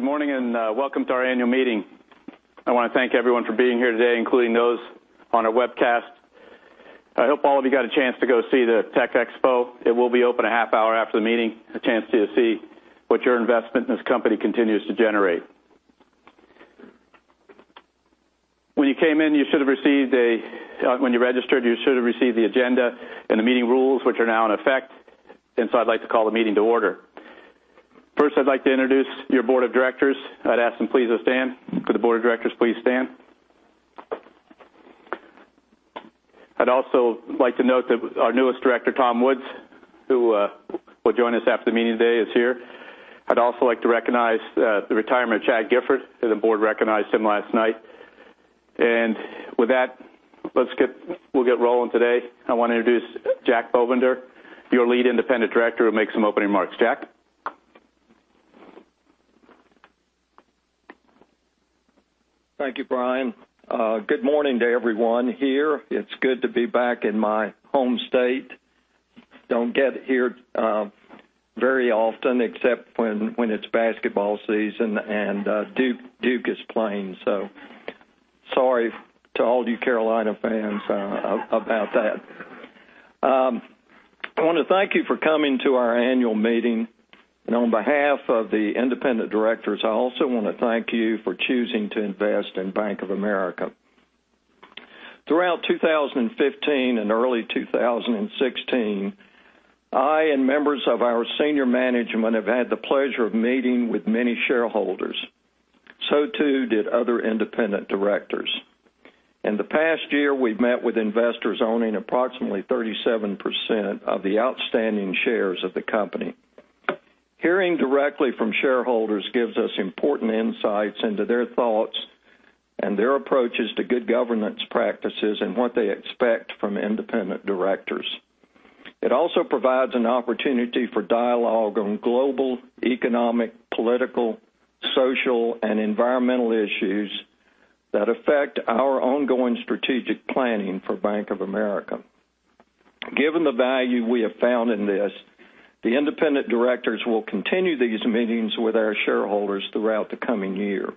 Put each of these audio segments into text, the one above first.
Good morning, welcome to our annual meeting. I want to thank everyone for being here today, including those on our webcast. I hope all of you got a chance to go see the tech expo. It will be open a half hour after the meeting, a chance to see what your investment in this company continues to generate. When you came in, you should have received, when you registered, you should have received the agenda and the meeting rules, which are now in effect. I'd like to call the meeting to order. First, I'd like to introduce your board of directors. I'd ask them, please, to stand. Could the board of directors please stand? I'd also like to note that our newest director, Tom Woods, who will join us after the meeting today, is here. I'd also like to recognize the retirement of Chad Gifford, as the board recognized him last night. With that, we'll get rolling today. I want to introduce Jack Bovender, your Lead Independent Director, who'll make some opening remarks. Jack? Thank you, Brian. Good morning to everyone here. It's good to be back in my home state. Don't get here very often except when it's basketball season and Duke is playing. Sorry to all you Carolina fans about that. I want to thank you for coming to our annual meeting. On behalf of the independent directors, I also want to thank you for choosing to invest in Bank of America. Throughout 2015 and early 2016, I and members of our senior management have had the pleasure of meeting with many shareholders. Too did other independent directors. In the past year, we've met with investors owning approximately 37% of the outstanding shares of the company. Hearing directly from shareholders gives us important insights into their thoughts and their approaches to good governance practices and what they expect from independent directors. It also provides an opportunity for dialogue on global, economic, political, social, and environmental issues that affect our ongoing strategic planning for Bank of America. Given the value we have found in this, the independent directors will continue these meetings with our shareholders throughout the coming year.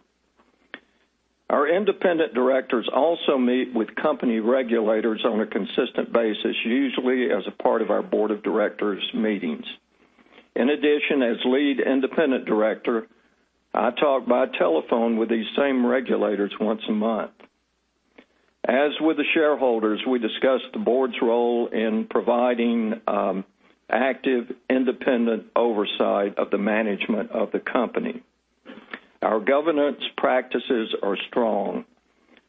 Our independent directors also meet with company regulators on a consistent basis, usually as a part of our board of directors meetings. In addition, as Lead Independent Director, I talk by telephone with these same regulators once a month. As with the shareholders, we discuss the board's role in providing active, independent oversight of the management of the company. Our governance practices are strong.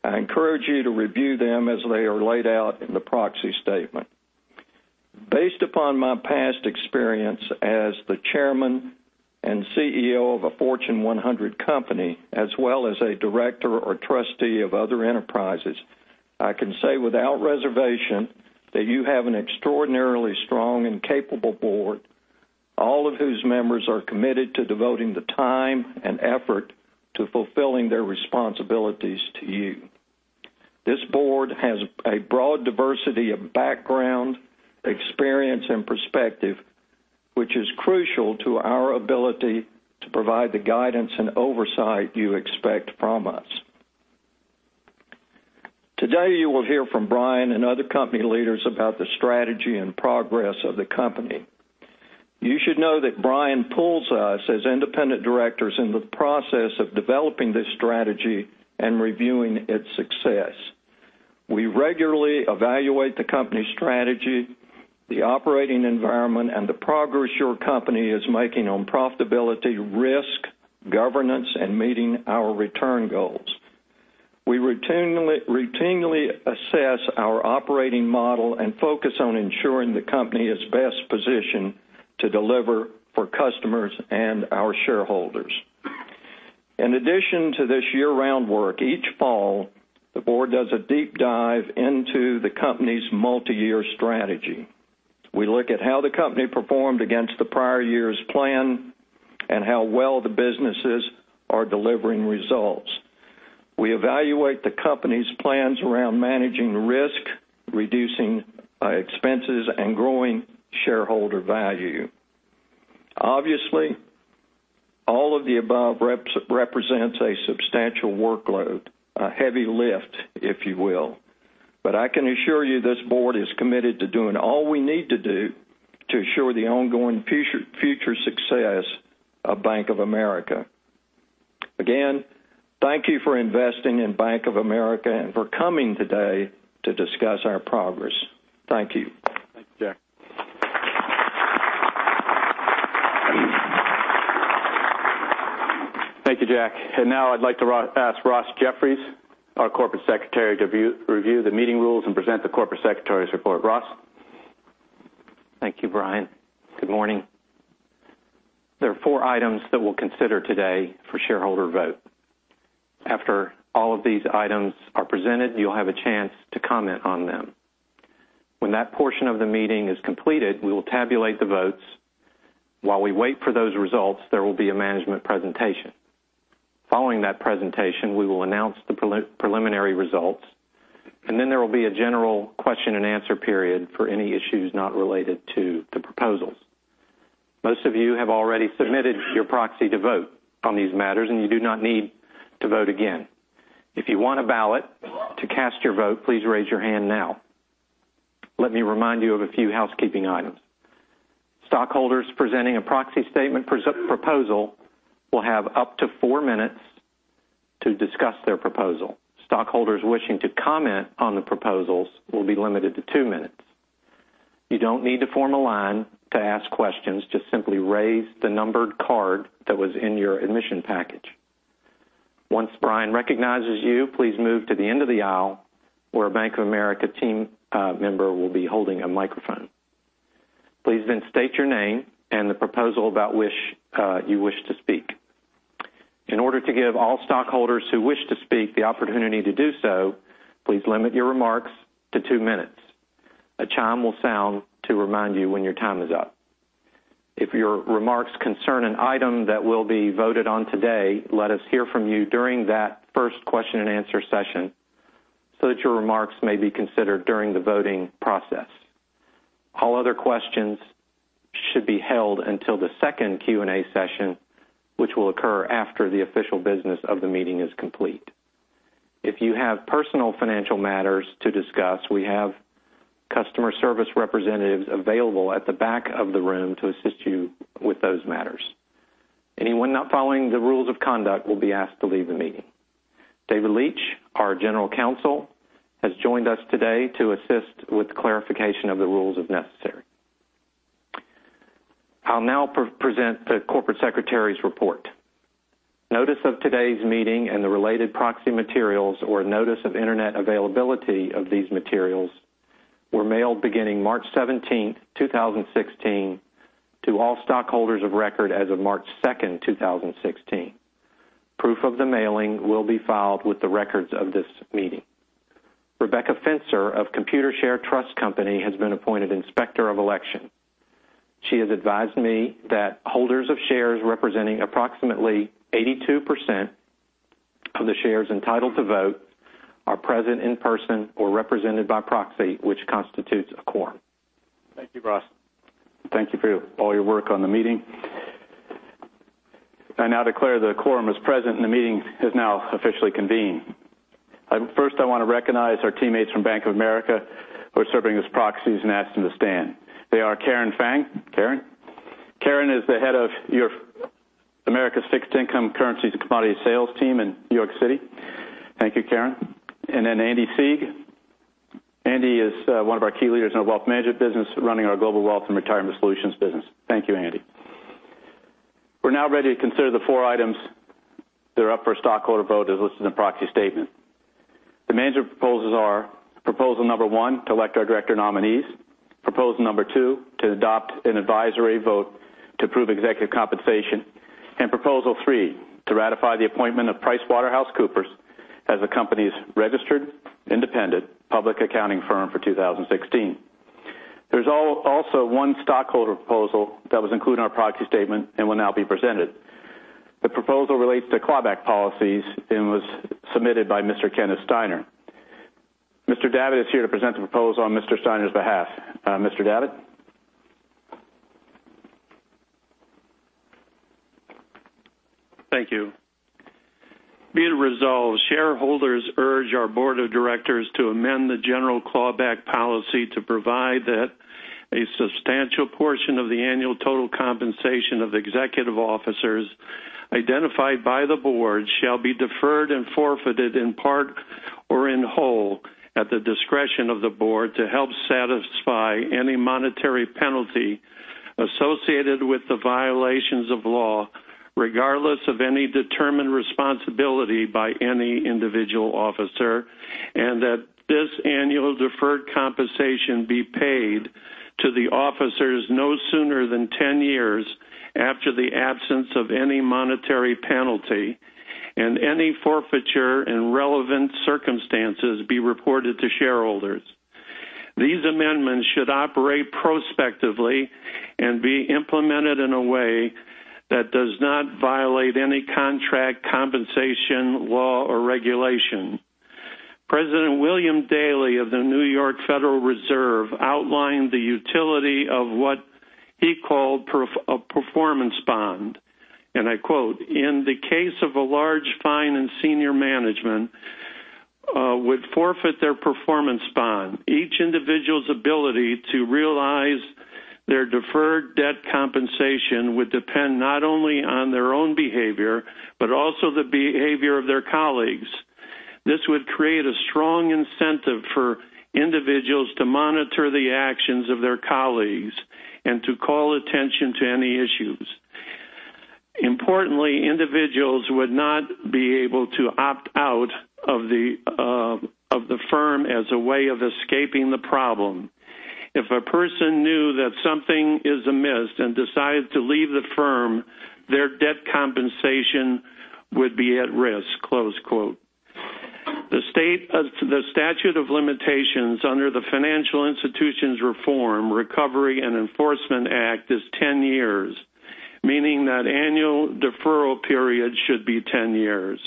I encourage you to review them as they are laid out in the proxy statement. Based upon my past experience as the Chairman and CEO of a Fortune 100 company, as well as a director or trustee of other enterprises, I can say without reservation that you have an extraordinarily strong and capable board, all of whose members are committed to devoting the time and effort to fulfilling their responsibilities to you. This board has a broad diversity of background, experience, and perspective, which is crucial to our ability to provide the guidance and oversight you expect from us. Today, you will hear from Brian and other company leaders about the strategy and progress of the company. You should know that Brian pulls us as independent directors in the process of developing this strategy and reviewing its success. We regularly evaluate the company's strategy, the operating environment, and the progress your company is making on profitability, risk, governance, and meeting our return goals. We routinely assess our operating model and focus on ensuring the company is best positioned to deliver for customers and our shareholders. In addition to this year-round work, each fall, the board does a deep dive into the company's multi-year strategy. We look at how the company performed against the prior year's plan and how well the businesses are delivering results. We evaluate the company's plans around managing risk, reducing expenses, and growing shareholder value. Obviously, all of the above represents a substantial workload, a heavy lift, if you will. I can assure you this board is committed to doing all we need to do to assure the ongoing future success of Bank of America. Again, thank you for investing in Bank of America and for coming today to discuss our progress. Thank you. Thank you, Jack. Thank you, Jack. Now I'd like to ask Ross Jeffries, our Corporate Secretary, to review the meeting rules and present the Corporate Secretary's report. Ross? Thank you, Brian. Good morning. There are four items that we'll consider today for shareholder vote. After all of these items are presented, you'll have a chance to comment on them. When that portion of the meeting is completed, we will tabulate the votes. While we wait for those results, there will be a management presentation. Following that presentation, we will announce the preliminary results. Then there will be a general question and answer period for any issues not related to the proposals. Most of you have already submitted your proxy to vote on these matters, and you do not need to vote again. If you want a ballot to cast your vote, please raise your hand now. Let me remind you of a few housekeeping items. Stockholders presenting a proxy statement proposal will have up to four minutes to discuss their proposal. Stockholders wishing to comment on the proposals will be limited to two minutes. You don't need to form a line to ask questions, just simply raise the numbered card that was in your admission package. Once Brian recognizes you, please move to the end of the aisle where a Bank of America team member will be holding a microphone. Please state your name and the proposal about which you wish to speak. In order to give all stockholders who wish to speak the opportunity to do so, please limit your remarks to two minutes. A chime will sound to remind you when your time is up. If your remarks concern an item that will be voted on today, let us hear from you during that first question and answer session so that your remarks may be considered during the voting process. All other questions should be held until the second Q&A session, which will occur after the official business of the meeting is complete. If you have personal financial matters to discuss, we have customer service representatives available at the back of the room to assist you with those matters. Anyone not following the rules of conduct will be asked to leave the meeting. David G. Leitch, our general counsel, has joined us today to assist with clarification of the rules if necessary. I'll now present the corporate secretary's report. Notice of today's meeting and the related proxy materials, or notice of internet availability of these materials, were mailed beginning March 17th, 2016, to all stockholders of record as of March 2nd, 2016. Proof of the mailing will be filed with the records of this meeting. Rebecca Fincher of Computershare Trust Company has been appointed Inspector of Election. She has advised me that holders of shares representing approximately 82% of the shares entitled to vote are present in person or represented by proxy, which constitutes a quorum. Thank you, Ross. Thank you for all your work on the meeting. I now declare the quorum is present and the meeting is now officially convened. First, I want to recognize our teammates from Bank of America who are serving as proxies and ask them to stand. They are Karen Fang. Karen? Karen is the head of America's Fixed Income Currencies and Commodity Sales team in New York City. Thank you, Karen. Andy Sieg. Andy is one of our key leaders in our wealth management business, running our Global Wealth and Retirement Solutions business. Thank you, Andy. We're now ready to consider the four items that are up for stockholder vote, as listed in the proxy statement. The manager proposals are proposal number one, to elect our director nominees. Proposal number two, to adopt an advisory vote to approve executive compensation. Proposal 3, to ratify the appointment of PricewaterhouseCoopers as the company's registered independent public accounting firm for 2016. There's also one stockholder proposal that was included in our proxy statement and will now be presented. The proposal relates to claw-back policies and was submitted by Mr. Kenneth Steiner. Mr. Davitt is here to present the proposal on Mr. Steiner's behalf. Mr. Davitt? Thank you. Be it resolved, shareholders urge our board of directors to amend the general claw-back policy to provide that a substantial portion of the annual total compensation of executive officers identified by the board shall be deferred and forfeited in part or in whole at the discretion of the board, to help satisfy any monetary penalty associated with the violations of law, regardless of any determined responsibility by any individual officer, and that this annual deferred compensation be paid to the officers no sooner than 10 years after the absence of any monetary penalty, and any forfeiture and relevant circumstances be reported to shareholders. These amendments should operate prospectively and be implemented in a way that does not violate any contract, compensation, law, or regulation. President William Dudley of the Federal Reserve Bank of New York outlined the utility of what he called a performance bond, and I quote, "In the case of a large fine and senior management would forfeit their performance bond. Each individual's ability to realize their deferred debt compensation would depend not only on their own behavior, but also the behavior of their colleagues. This would create a strong incentive for individuals to monitor the actions of their colleagues and to call attention to any issues. Importantly, individuals would not be able to opt out of the firm as a way of escaping the problem. If a person knew that something is amiss and decides to leave the firm, their debt compensation would be at risk," close quote. The statute of limitations under the Financial Institutions Reform, Recovery, and Enforcement Act is 10 years. Meaning that annual deferral period should be 10 years.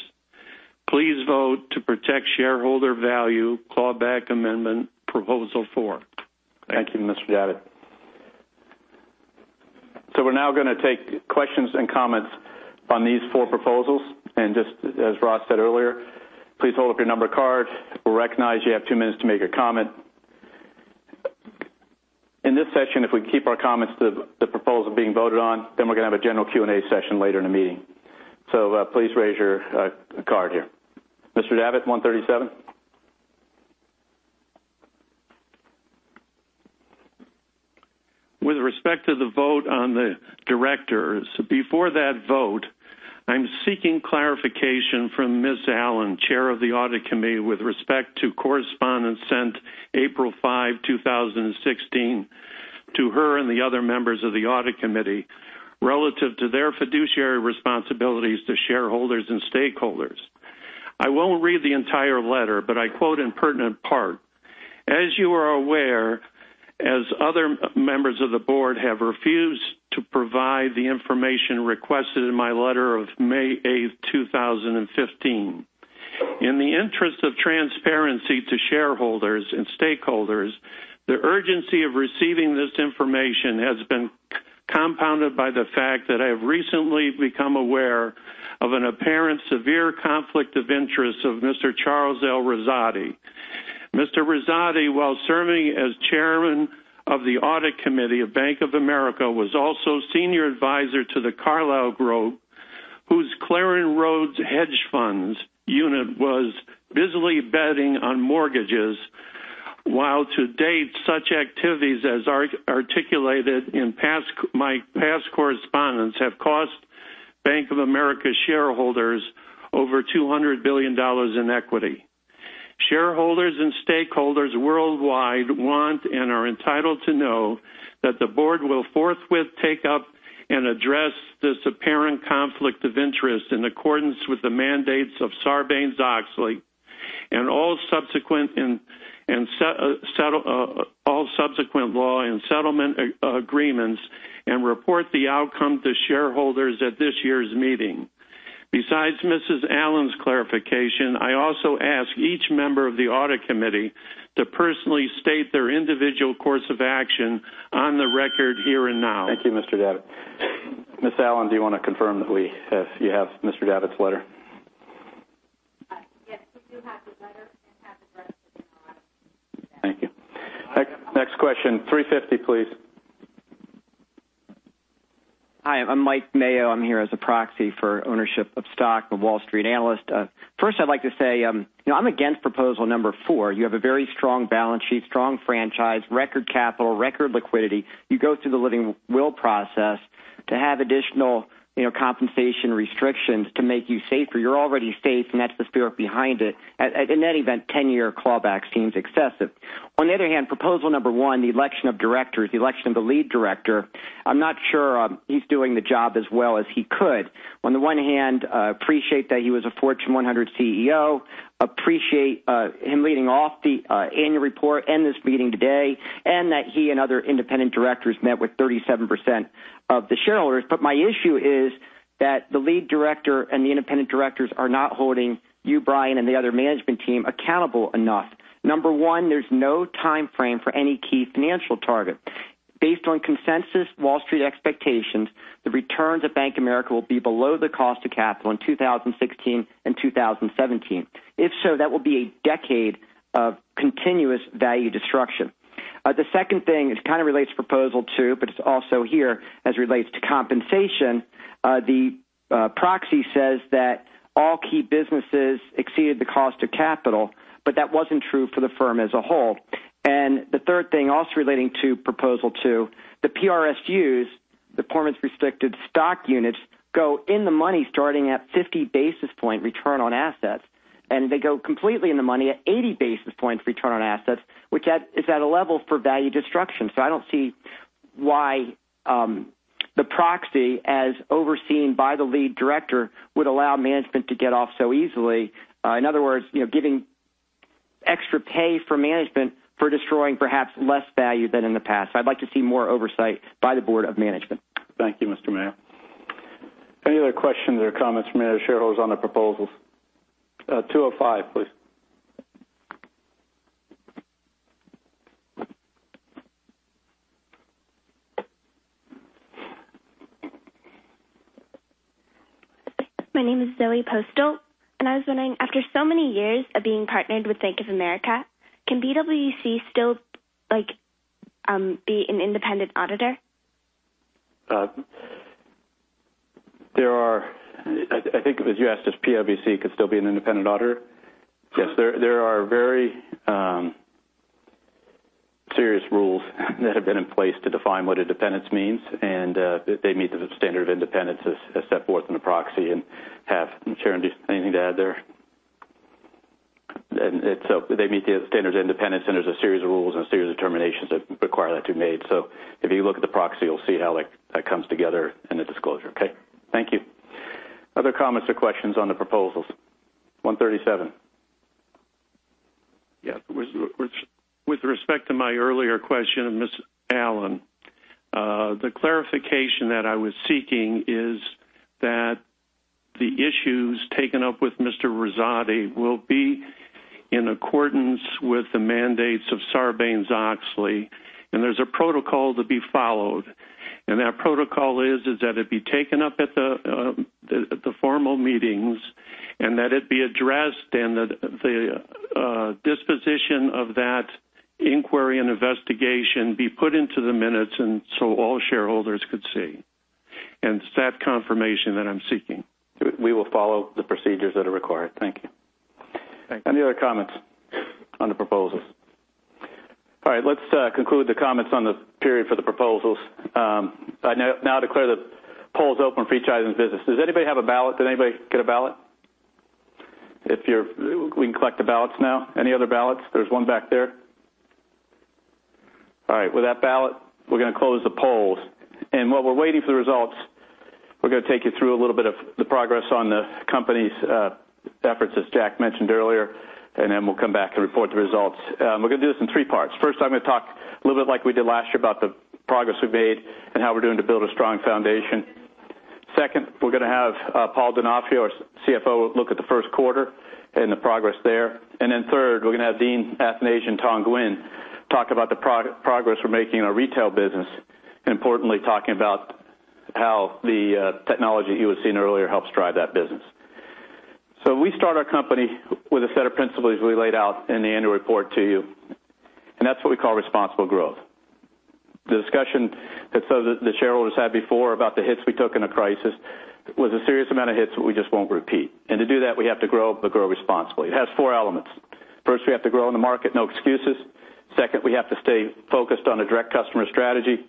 Please vote to protect shareholder value, claw back amendment Proposal 4. Thank you, Mr. Davitt. We're now going to take questions and comments on these four proposals, just as Ross said earlier, please hold up your number card. We'll recognize you have two minutes to make your comment. In this session, if we keep our comments to the proposal being voted on, we're going to have a general Q&A session later in the meeting. Please raise your card here. Mr. Davitt, 137. With respect to the vote on the directors. Before that vote, I'm seeking clarification from Ms. Allen, Chair of the Audit Committee, with respect to correspondence sent April 5, 2016, to her and the other members of the Audit Committee, relative to their fiduciary responsibilities to shareholders and stakeholders. I won't read the entire letter, but I quote in pertinent part, "As you are aware, as other members of the board have refused to provide the information requested in my letter of May 8, 2015. In the interest of transparency to shareholders and stakeholders, the urgency of receiving this information has been compounded by the fact that I have recently become aware of an apparent severe conflict of interest of Mr. Charles O. Rossotti. Mr. Rossotti, while serving as Chairman of the Audit Committee of Bank of America, was also Senior Advisor to The Carlyle Group, whose Claren Road's hedge funds unit was busily betting on mortgages, while to date, such activities as articulated in my past correspondence, have cost Bank of America shareholders over $200 billion in equity. Shareholders and stakeholders worldwide want and are entitled to know that the board will forthwith take up and address this apparent conflict of interest in accordance with the mandates of Sarbanes-Oxley, all subsequent law and settlement agreements, report the outcome to shareholders at this year's meeting. Besides Mrs. Allen's clarification, I also ask each member of the Audit Committee to personally state their individual course of action on the record here and now. Thank you, Mr. Davitt. Ms. Allen, do you want to confirm that you have Mr. Davitt's letter? Yes, we do have the letter and have the rest of the. Thank you. Next question. 350, please. Hi, I'm Mike Mayo. I'm here as a proxy for ownership of stock of Wall Street analyst. First, I'd like to say, I'm against proposal number four. You have a very strong balance sheet, strong franchise, record capital, record liquidity. You go through the living will process to have additional compensation restrictions to make you safer. You're already safe, and that's the spirit behind it. In that event, 10-year clawbacks seems excessive. On the other hand, proposal number one, the election of directors, the election of the lead director, I'm not sure he's doing the job as well as he could. On the one hand, appreciate that he was a Fortune 100 CEO, appreciate him leading off the annual report and this meeting today, and that he and other independent directors met with 37% of the shareholders. My issue is that the lead director and the independent directors are not holding you, Brian, and the other management team accountable enough. Number one, there's no timeframe for any key financial target. Based on consensus Wall Street expectations, the returns of Bank of America will be below the cost of capital in 2016 and 2017. If so, that will be a decade of continuous value destruction. The second thing, it kind of relates to proposal two, but it's also here as it relates to compensation. The proxy says that all key businesses exceeded the cost of capital, but that wasn't true for the firm as a whole. The third thing, also relating to proposal two, the PRSU, the performance restricted stock units, go in the money starting at 50 basis point return on assets, and they go completely in the money at 80 basis points return on assets, which is at a level for value destruction. I don't see why the proxy, as overseen by the lead director, would allow management to get off so easily. In other words, giving extra pay for management for destroying perhaps less value than in the past. I'd like to see more oversight by the board of management. Thank you, Mr. Mayo. Any other questions or comments from any of the shareholders on the proposals? 205, please. My name is Zoe Postal. I was wondering, after so many years of being partnered with Bank of America, can PwC still be an independent auditor? I think you asked if PwC could still be an independent auditor? Yes. There are very serious rules that have been in place to define what independence means, and they meet the standard of independence as set forth in the proxy and have. Sharon, anything to add there? They meet the standards of independence, and there's a series of rules and a series of determinations that require that to be made. If you look at the proxy, you'll see how that comes together in the disclosure. Okay. Thank you. Other comments or questions on the proposals? 137 With respect to my earlier question of Ms. Allen, the clarification that I was seeking is that the issues taken up with Mr. Rossotti will be in accordance with the mandates of Sarbanes-Oxley. There's a protocol to be followed. That protocol is that it be taken up at the formal meetings and that it be addressed and that the disposition of that inquiry and investigation be put into the minutes so all shareholders could see. It's that confirmation that I'm seeking. We will follow the procedures that are required. Thank you. Thank you. Any other comments on the proposals? All right. Let's conclude the comments on the period for the proposals. I now declare the polls open for each item of business. Does anybody have a ballot? Did anybody get a ballot? We can collect the ballots now. Any other ballots? There's one back there. All right. With that ballot, we're going to close the polls. While we're waiting for the results, we're going to take you through a little bit of the progress on the company's efforts, as Jack mentioned earlier, then we'll come back and report the results. We're going to do this in three parts. First, I'm going to talk a little bit like we did last year about the progress we've made and how we're doing to build a strong foundation. Second, we're going to have Paul Donofrio, our CFO, look at the first quarter and the progress there. Third, we're going to have Dean Athanasia and Thong Nguyen talk about the progress we're making in our retail business, and importantly, talking about how the technology you had seen earlier helps drive that business. We start our company with a set of principles we laid out in the annual report to you, and that's what we call Responsible Growth. The discussion that some of the shareholders had before about the hits we took in a crisis was a serious amount of hits that we just won't repeat. To do that, we have to grow but grow responsibly. It has four elements. First, we have to grow in the market, no excuses. Second, we have to stay focused on a direct customer strategy.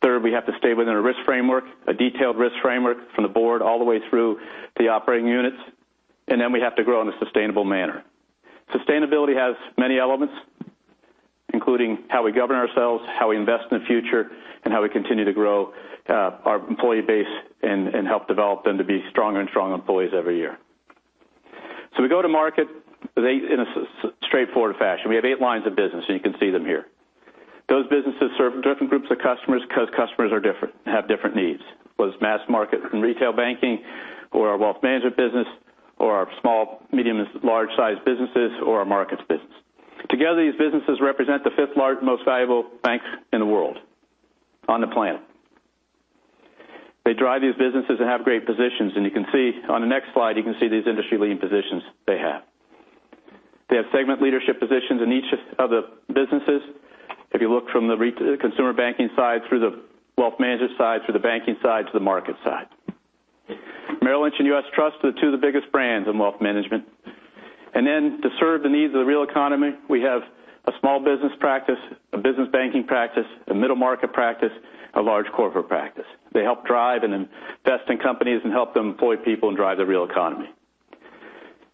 Third, we have to stay within a risk framework, a detailed risk framework from the board all the way through the operating units. We have to grow in a sustainable manner. Sustainability has many elements, including how we govern ourselves, how we invest in the future, and how we continue to grow our employee base and help develop them to be stronger and stronger employees every year. We go to market in a straightforward fashion. We have eight lines of business, and you can see them here. Those businesses serve different groups of customers because customers are different and have different needs. Whether it's mass market and retail banking or our wealth management business or our small, medium, large-sized businesses or our markets business. Together, these businesses represent the fifth-largest, most valuable bank in the world, on the planet. They drive these businesses and have great positions. You can see on the next slide, you can see these industry-leading positions they have. They have segment leadership positions in each of the businesses. If you look from the Consumer Banking side through the wealth management side, through the banking side to the market side. Merrill Lynch and U.S. Trust are two of the biggest brands in wealth management. To serve the needs of the real economy, we have a small business practice, a business banking practice, a middle market practice, a large corporate practice. They help drive and invest in companies and help them employ people and drive the real economy.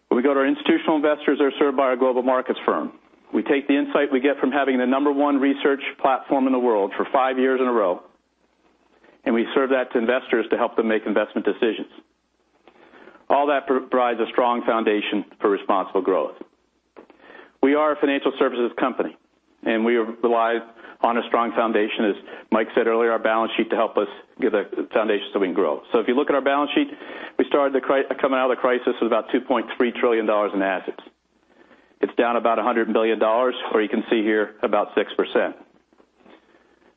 When we go to our institutional investors, they're served by our Global Markets firm. We take the insight we get from having the number one research platform in the world for five years in a row, we serve that to investors to help them make investment decisions. All that provides a strong foundation for Responsible Growth. We are a financial services company, we rely on a strong foundation, as Mike said earlier, our balance sheet to help us give a foundation so we can grow. If you look at our balance sheet, we started coming out of the crisis with about $2.3 trillion in assets. It's down about $100 billion, or you can see here, about 6%.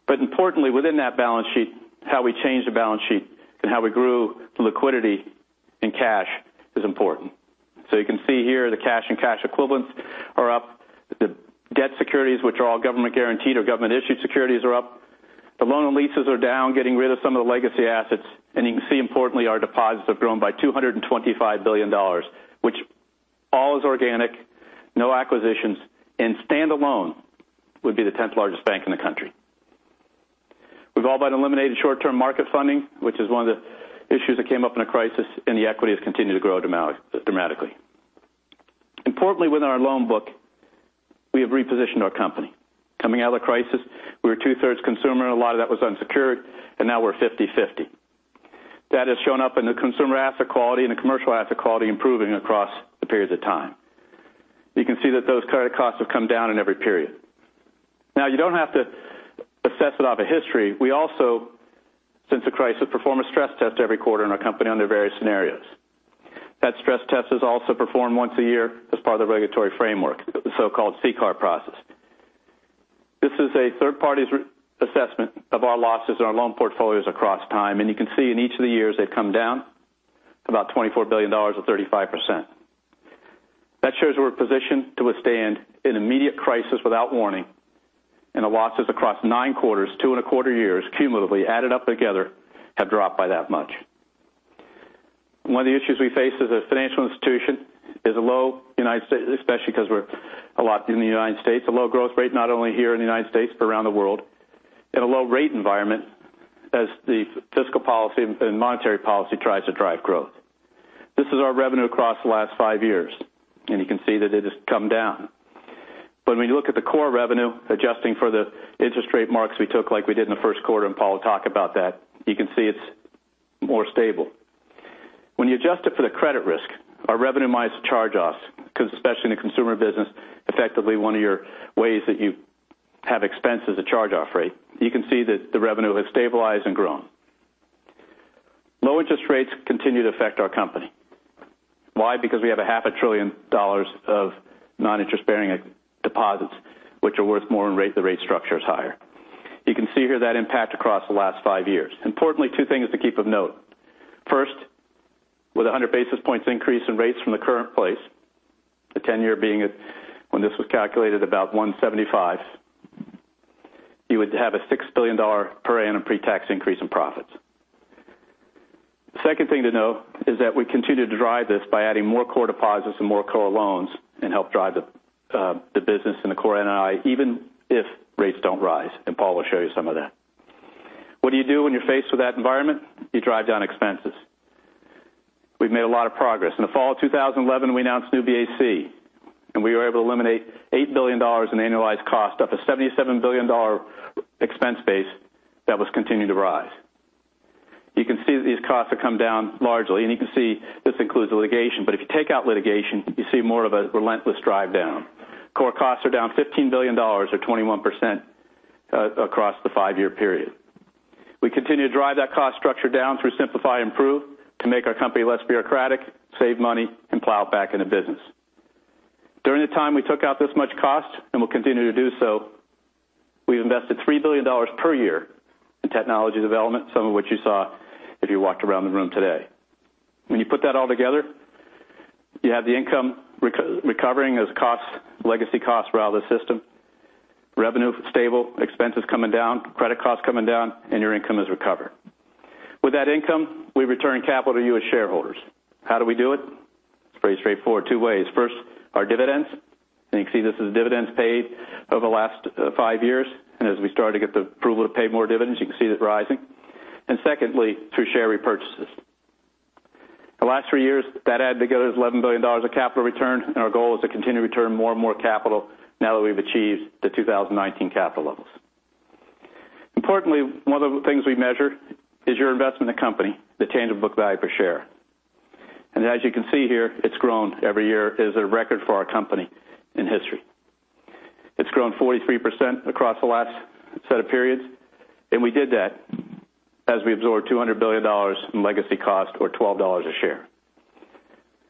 Importantly, within that balance sheet, how we changed the balance sheet and how we grew liquidity and cash is important. You can see here the cash and cash equivalents are up. The debt securities, which are all government-guaranteed or government-issued securities, are up. The loan and leases are down, getting rid of some of the legacy assets. You can see importantly, our deposits have grown by $225 billion, which all is organic, no acquisitions. Standalone would be the 10th largest bank in the country. We've all but eliminated short-term market funding, which is one of the issues that came up in a crisis. The equity has continued to grow dramatically. Importantly, within our loan book, we have repositioned our company. Coming out of the crisis, we were two-thirds consumer, and a lot of that was unsecured, and now we're 50/50. That has shown up in the consumer asset quality and the commercial asset quality improving across the periods of time. You can see that those credit costs have come down in every period. You don't have to assess it off of history. We also, since the crisis, perform a stress test every quarter in our company under various scenarios. That stress test is also performed once a year as part of the regulatory framework, the so-called CCAR process. This is a third party's assessment of our losses in our loan portfolios across time, and you can see in each of the years they've come down to about $24 billion or 35%. That shows we're positioned to withstand an immediate crisis without warning. The losses across nine quarters, two and a quarter years, cumulatively added up together, have dropped by that much. One of the issues we face as a financial institution is a low U.S., especially because we're a lot in the U.S., a low growth rate, not only here in the U.S., but around the world, in a low rate environment as the fiscal policy and monetary policy tries to drive growth. This is our revenue across the last five years. You can see that it has come down. When you look at the core revenue, adjusting for the interest rate marks we took like we did in the first quarter, Paul will talk about that, you can see it's more stable. When you adjust it for the credit risk, our revenue minus charge-offs, because especially in the consumer business, effectively one of your ways that you have expense is a charge-off rate. You can see that the revenue has stabilized and grown. Low interest rates continue to affect our company. Why? Because we have a half a trillion dollars of non-interest-bearing deposits, which are worth more when the rate structure is higher. You can see here that impact across the last five years. Importantly, two things to keep of note. First, with 100 basis points increase in rates from the current place, the 10-year being, when this was calculated, about 175, you would have a $6 billion per annum pre-tax increase in profits. The second thing to note is that we continue to drive this by adding more core deposits and more core loans and help drive the business and the core NII even if rates don't rise. Paul will show you some of that. What do you do when you're faced with that environment? You drive down expenses. We've made a lot of progress. In the fall of 2011, we announced New BAC, and we were able to eliminate $8 billion in annualized cost off a $77 billion expense base that was continuing to rise. You can see that these costs have come down largely, and you can see this includes litigation. If you take out litigation, you see more of a relentless drive down. Core costs are down $15 billion or 21% across the five-year period. We continue to drive that cost structure down through Simplify and Improve to make our company less bureaucratic, save money, and plow it back into business. During the time we took out this much cost, and will continue to do so, we've invested $3 billion per year in technology development, some of which you saw if you walked around the room today. When you put that all together, you have the income recovering as legacy costs were out of the system. Revenue stable, expenses coming down, credit costs coming down, and your income is recovered. With that income, we return capital to you as shareholders. How do we do it? It's pretty straightforward. Two ways. First, our dividends, and you can see this is dividends paid over the last five years. As we started to get the approval to pay more dividends, you can see that rising. Secondly, through share repurchases. The last three years, that added together is $11 billion of capital return, and our goal is to continue to return more and more capital now that we've achieved the 2019 capital levels. Importantly, one of the things we measure is your investment in the company, the tangible book value per share. As you can see here, it's grown every year. It is a record for our company in history. It's grown 43% across the last set of periods, and we did that as we absorbed $200 billion in legacy cost or $12 a share.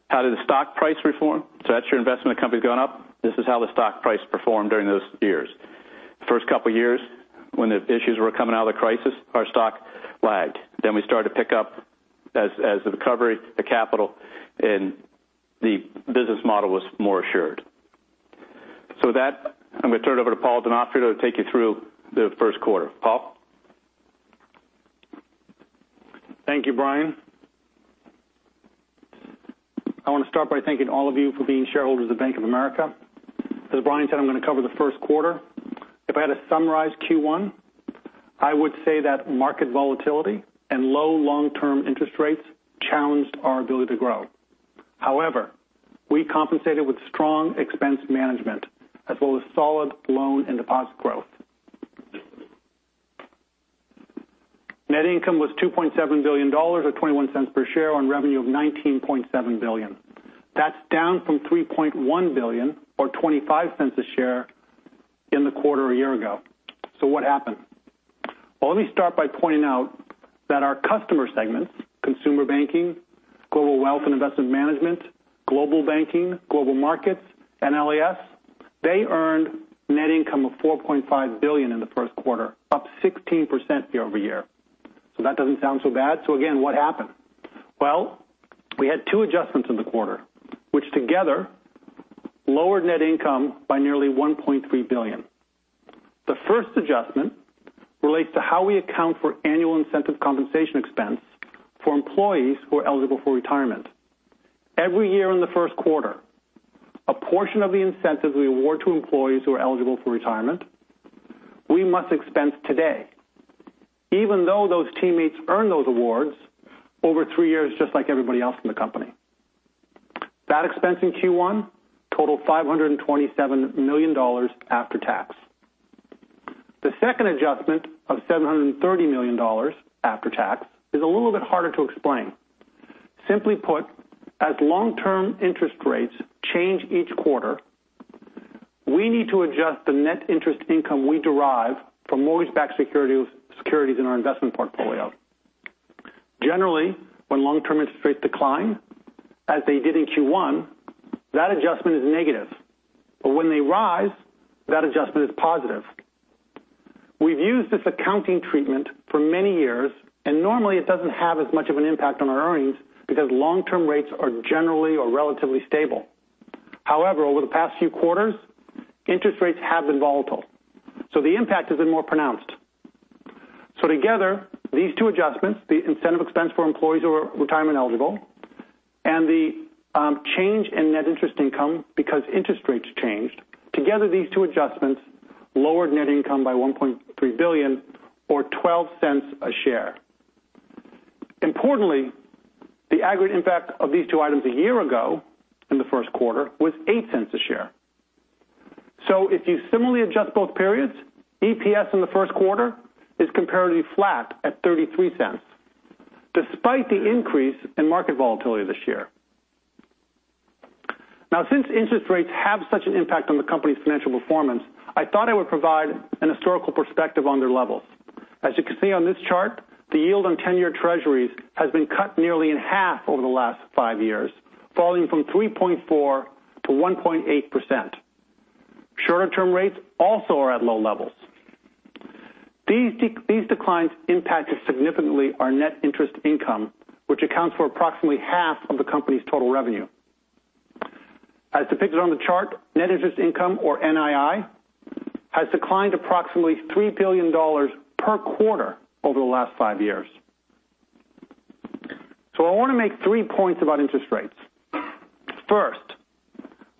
How did the stock price perform? That's your investment in the company going up. This is how the stock price performed during those years. The first couple of years, when the issues were coming out of the crisis, our stock lagged. We started to pick up as the recovery, the capital, and the business model was more assured. With that, I'm going to turn it over to Paul Donofrio to take you through the first quarter. Paul? Thank you, Brian. I want to start by thanking all of you for being shareholders of Bank of America. As Brian said, I'm going to cover the first quarter. If I had to summarize Q1, I would say that market volatility and low long-term interest rates challenged our ability to grow. However, we compensated with strong expense management as well as solid loan and deposit growth. Net income was $2.7 billion, or $0.21 per share, on revenue of $19.7 billion. That's down from $3.1 billion or $0.25 a share in the quarter a year ago. What happened? Well, let me start by pointing out that our customer segments, Consumer Banking, Global Wealth & Investment Management, Global Banking, Global Markets, and LAS, they earned net income of $4.5 billion in the first quarter, up 16% year-over-year. That doesn't sound so bad. Again, what happened? We had two adjustments in the quarter, which together lowered net income by nearly $1.3 billion. The first adjustment relates to how we account for annual incentive compensation expense for employees who are eligible for retirement. Every year in the first quarter, a portion of the incentives we award to employees who are eligible for retirement, we must expense today, even though those teammates earn those awards over three years just like everybody else in the company. That expense in Q1 totaled $527 million after tax. The second adjustment of $730 million after tax is a little bit harder to explain. Simply put, as long-term interest rates change each quarter, we need to adjust the net interest income we derive from mortgage-backed securities in our investment portfolio. Generally, when long-term interest rates decline, as they did in Q1, that adjustment is negative. When they rise, that adjustment is positive. We've used this accounting treatment for many years, and normally it doesn't have as much of an impact on our earnings because long-term rates are generally or relatively stable. However, over the past few quarters, interest rates have been volatile, the impact has been more pronounced. Together, these two adjustments, the incentive expense for employees who are retirement eligible and the change in net interest income because interest rates changed. Together, these two adjustments lowered net income by $1.3 billion or $0.12 a share. Importantly, the aggregate impact of these two items a year ago in the first quarter was $0.08 a share. If you similarly adjust both periods, EPS in the first quarter is comparatively flat at $0.33, despite the increase in market volatility this year. Since interest rates have such an impact on the company's financial performance, I thought I would provide an historical perspective on their levels. As you can see on this chart, the yield on 10-year treasuries has been cut nearly in half over the last five years, falling from 3.4% to 1.8%. Shorter-term rates also are at low levels. These declines impacted significantly our net interest income, which accounts for approximately half of the company's total revenue. As depicted on the chart, net interest income, or NII, has declined approximately $3 billion per quarter over the last five years. I want to make three points about interest rates. First,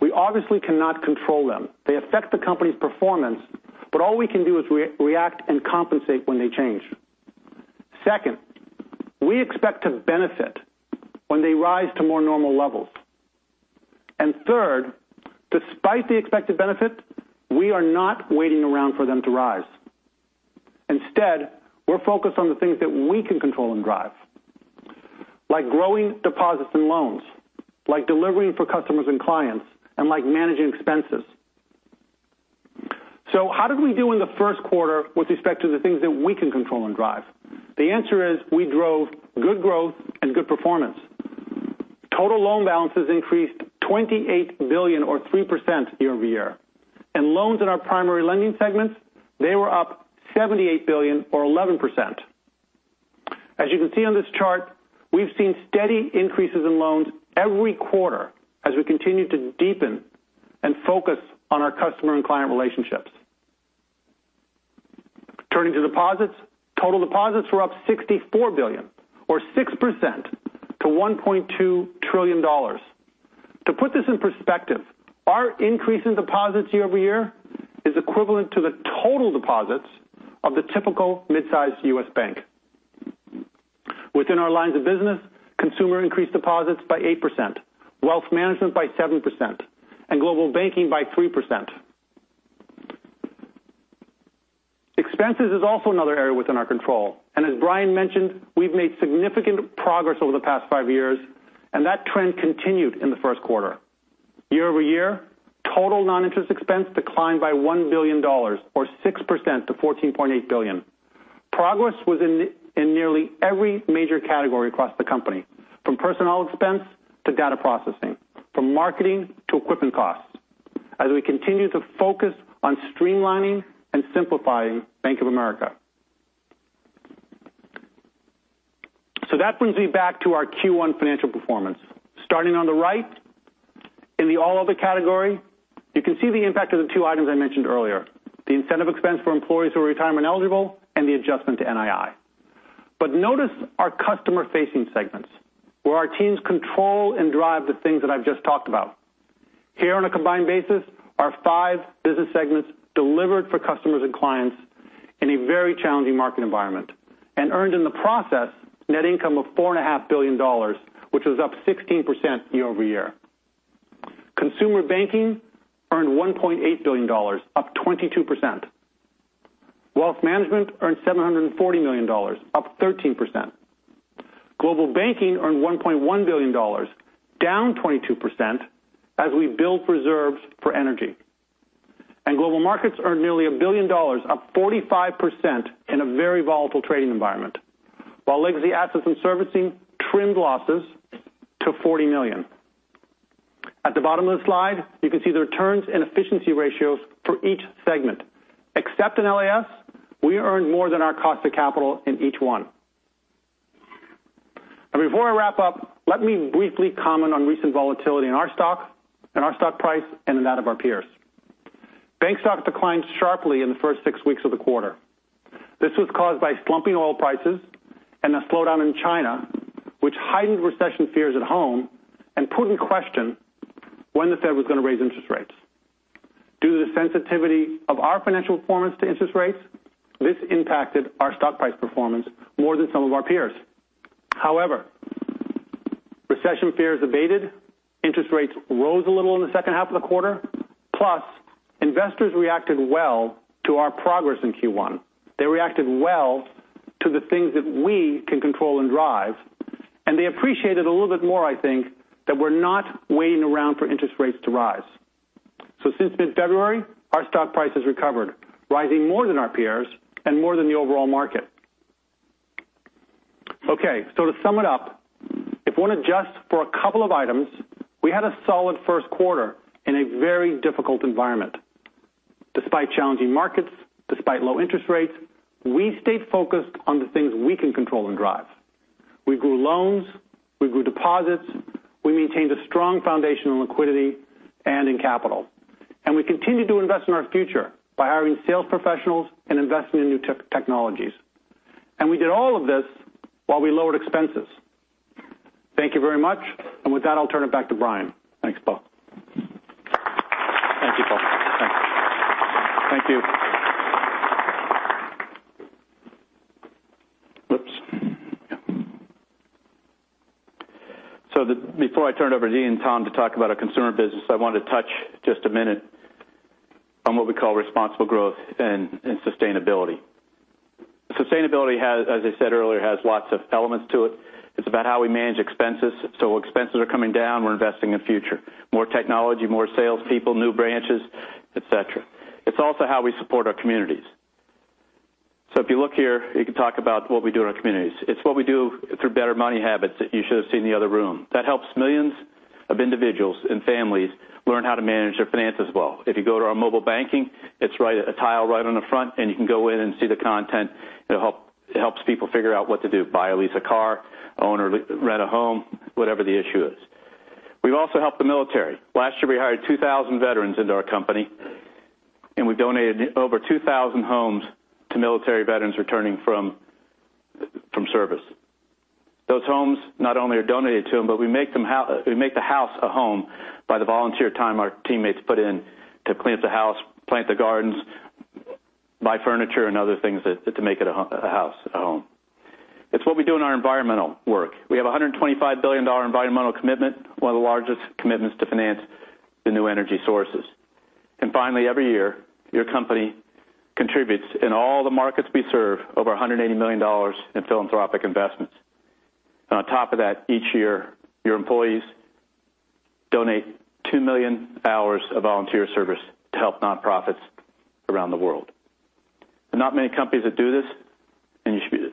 we obviously cannot control them. They affect the company's performance, but all we can do is react and compensate when they change. Second, we expect to benefit when they rise to more normal levels. Third, despite the expected benefit, we are not waiting around for them to rise. Instead, we're focused on the things that we can control and drive, like growing deposits and loans, like delivering for customers and clients, and like managing expenses. How did we do in the first quarter with respect to the things that we can control and drive? The answer is we drove good growth and good performance. Total loan balances increased $28 billion or 3% year-over-year. Loans in our primary lending segments, they were up $78 billion or 11%. As you can see on this chart, we've seen steady increases in loans every quarter as we continue to deepen and focus on our customer and client relationships. Turning to deposits, total deposits were up $64 billion or 6% to $1.2 trillion. To put this in perspective, our increase in deposits year-over-year is equivalent to the total deposits of the typical mid-sized U.S. bank. Within our lines of business, Consumer Banking increased deposits by 8%, Global Wealth & Investment Management by 7%, and Global Banking by 3%. Expenses is also another area within our control, and as Brian mentioned, we've made significant progress over the past five years, and that trend continued in the first quarter. Year-over-year, total non-interest expense declined by $1 billion or 6% to $14.8 billion. Progress was in nearly every major category across the company, from personnel expense to data processing, from marketing to equipment costs, as we continue to focus on streamlining and simplifying Bank of America. That brings me back to our Q1 financial performance. Starting on the right, in the all other category, you can see the impact of the two items I mentioned earlier, the incentive expense for employees who are retirement eligible and the adjustment to NII. Notice our customer-facing segments, where our teams control and drive the things that I've just talked about. Here on a combined basis, our five business segments delivered for customers and clients in a very challenging market environment and earned in the process net income of $4.5 billion, which was up 16% year-over-year. Consumer Banking earned $1.8 billion, up 22%. Global Wealth & Investment Management earned $740 million, up 13%. Global Banking earned $1.1 billion, down 22%, as we build reserves for energy. And Global Markets earned nearly $1 billion, up 45% in a very volatile trading environment. While legacy assets and servicing trimmed losses to $40 million. At the bottom of the slide, you can see the returns and efficiency ratios for each segment. Except in LAS, we earned more than our cost of capital in each one. Before I wrap up, let me briefly comment on recent volatility in our stock, in our stock price, and in that of our peers. Bank stocks declined sharply in the first six weeks of the quarter. This was caused by slumping oil prices and a slowdown in China, which heightened recession fears at home and put in question when the Fed was going to raise interest rates. Due to the sensitivity of our financial performance to interest rates, this impacted our stock price performance more than some of our peers. However, recession fears abated, interest rates rose a little in the second half of the quarter, plus investors reacted well to our progress in Q1. They reacted well to the things that we can control and drive, and they appreciated a little bit more, I think, that we're not waiting around for interest rates to rise. Since mid-February, our stock price has recovered, rising more than our peers and more than the overall market. To sum it up, if one adjusts for a couple of items, we had a solid first quarter in a very difficult environment. Despite challenging markets, despite low interest rates, we stayed focused on the things we can control and drive. We grew loans, we grew deposits, we maintained a strong foundation in liquidity and in capital, and we continued to invest in our future by hiring sales professionals and investing in new technologies. We did all of this while we lowered expenses. Thank you very much. With that, I'll turn it back to Brian. Thanks, Paul. Thank you, Paul. Thanks. Thank you. Before I turn it over to Dean and Thong to talk about our consumer business, I want to touch just a minute on what we call Responsible Growth and Sustainability. Sustainability, as I said earlier, has lots of elements to it. It's about how we manage expenses. Expenses are coming down. We're investing in future. More technology, more salespeople, new branches, et cetera. It's also how we support our communities. If you look here, you can talk about what we do in our communities. It's what we do through Better Money Habits that you should have seen in the other room. That helps millions of individuals and families learn how to manage their finances well. If you go to our mobile banking, it's a tile right on the front, and you can go in and see the content. It helps people figure out what to do, buy or lease a car, own or rent a home, whatever the issue is. We've also helped the military. Last year, we hired 2,000 veterans into our company, and we donated over 2,000 homes to military veterans returning from service. Those homes not only are donated to them, but we make the house a home by the volunteer time our teammates put in to clean up the house, plant the gardens, buy furniture, and other things to make a house a home. It's what we do in our environmental work. We have $125 billion environmental commitment, one of the largest commitments to finance the new energy sources. Finally, every year, your company contributes in all the markets we serve over $180 million in philanthropic investments. On top of that, each year, your employees donate 2 million hours of volunteer service to help nonprofits around the world. There are not many companies that do this,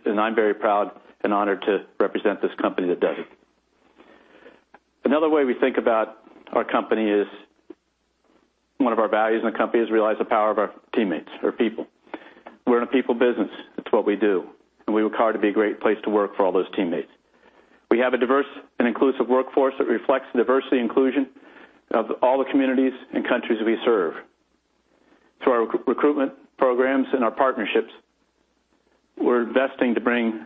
and I'm very proud and honored to represent this company that does it. Another way we think about our company is one of our values in the company is realize the power of our teammates or people. We're in a people business. It's what we do, and we work hard to be a great place to work for all those teammates. We have a diverse and inclusive workforce that reflects the diversity and inclusion of all the communities and countries we serve. Through our recruitment programs and our partnerships, we're investing to bring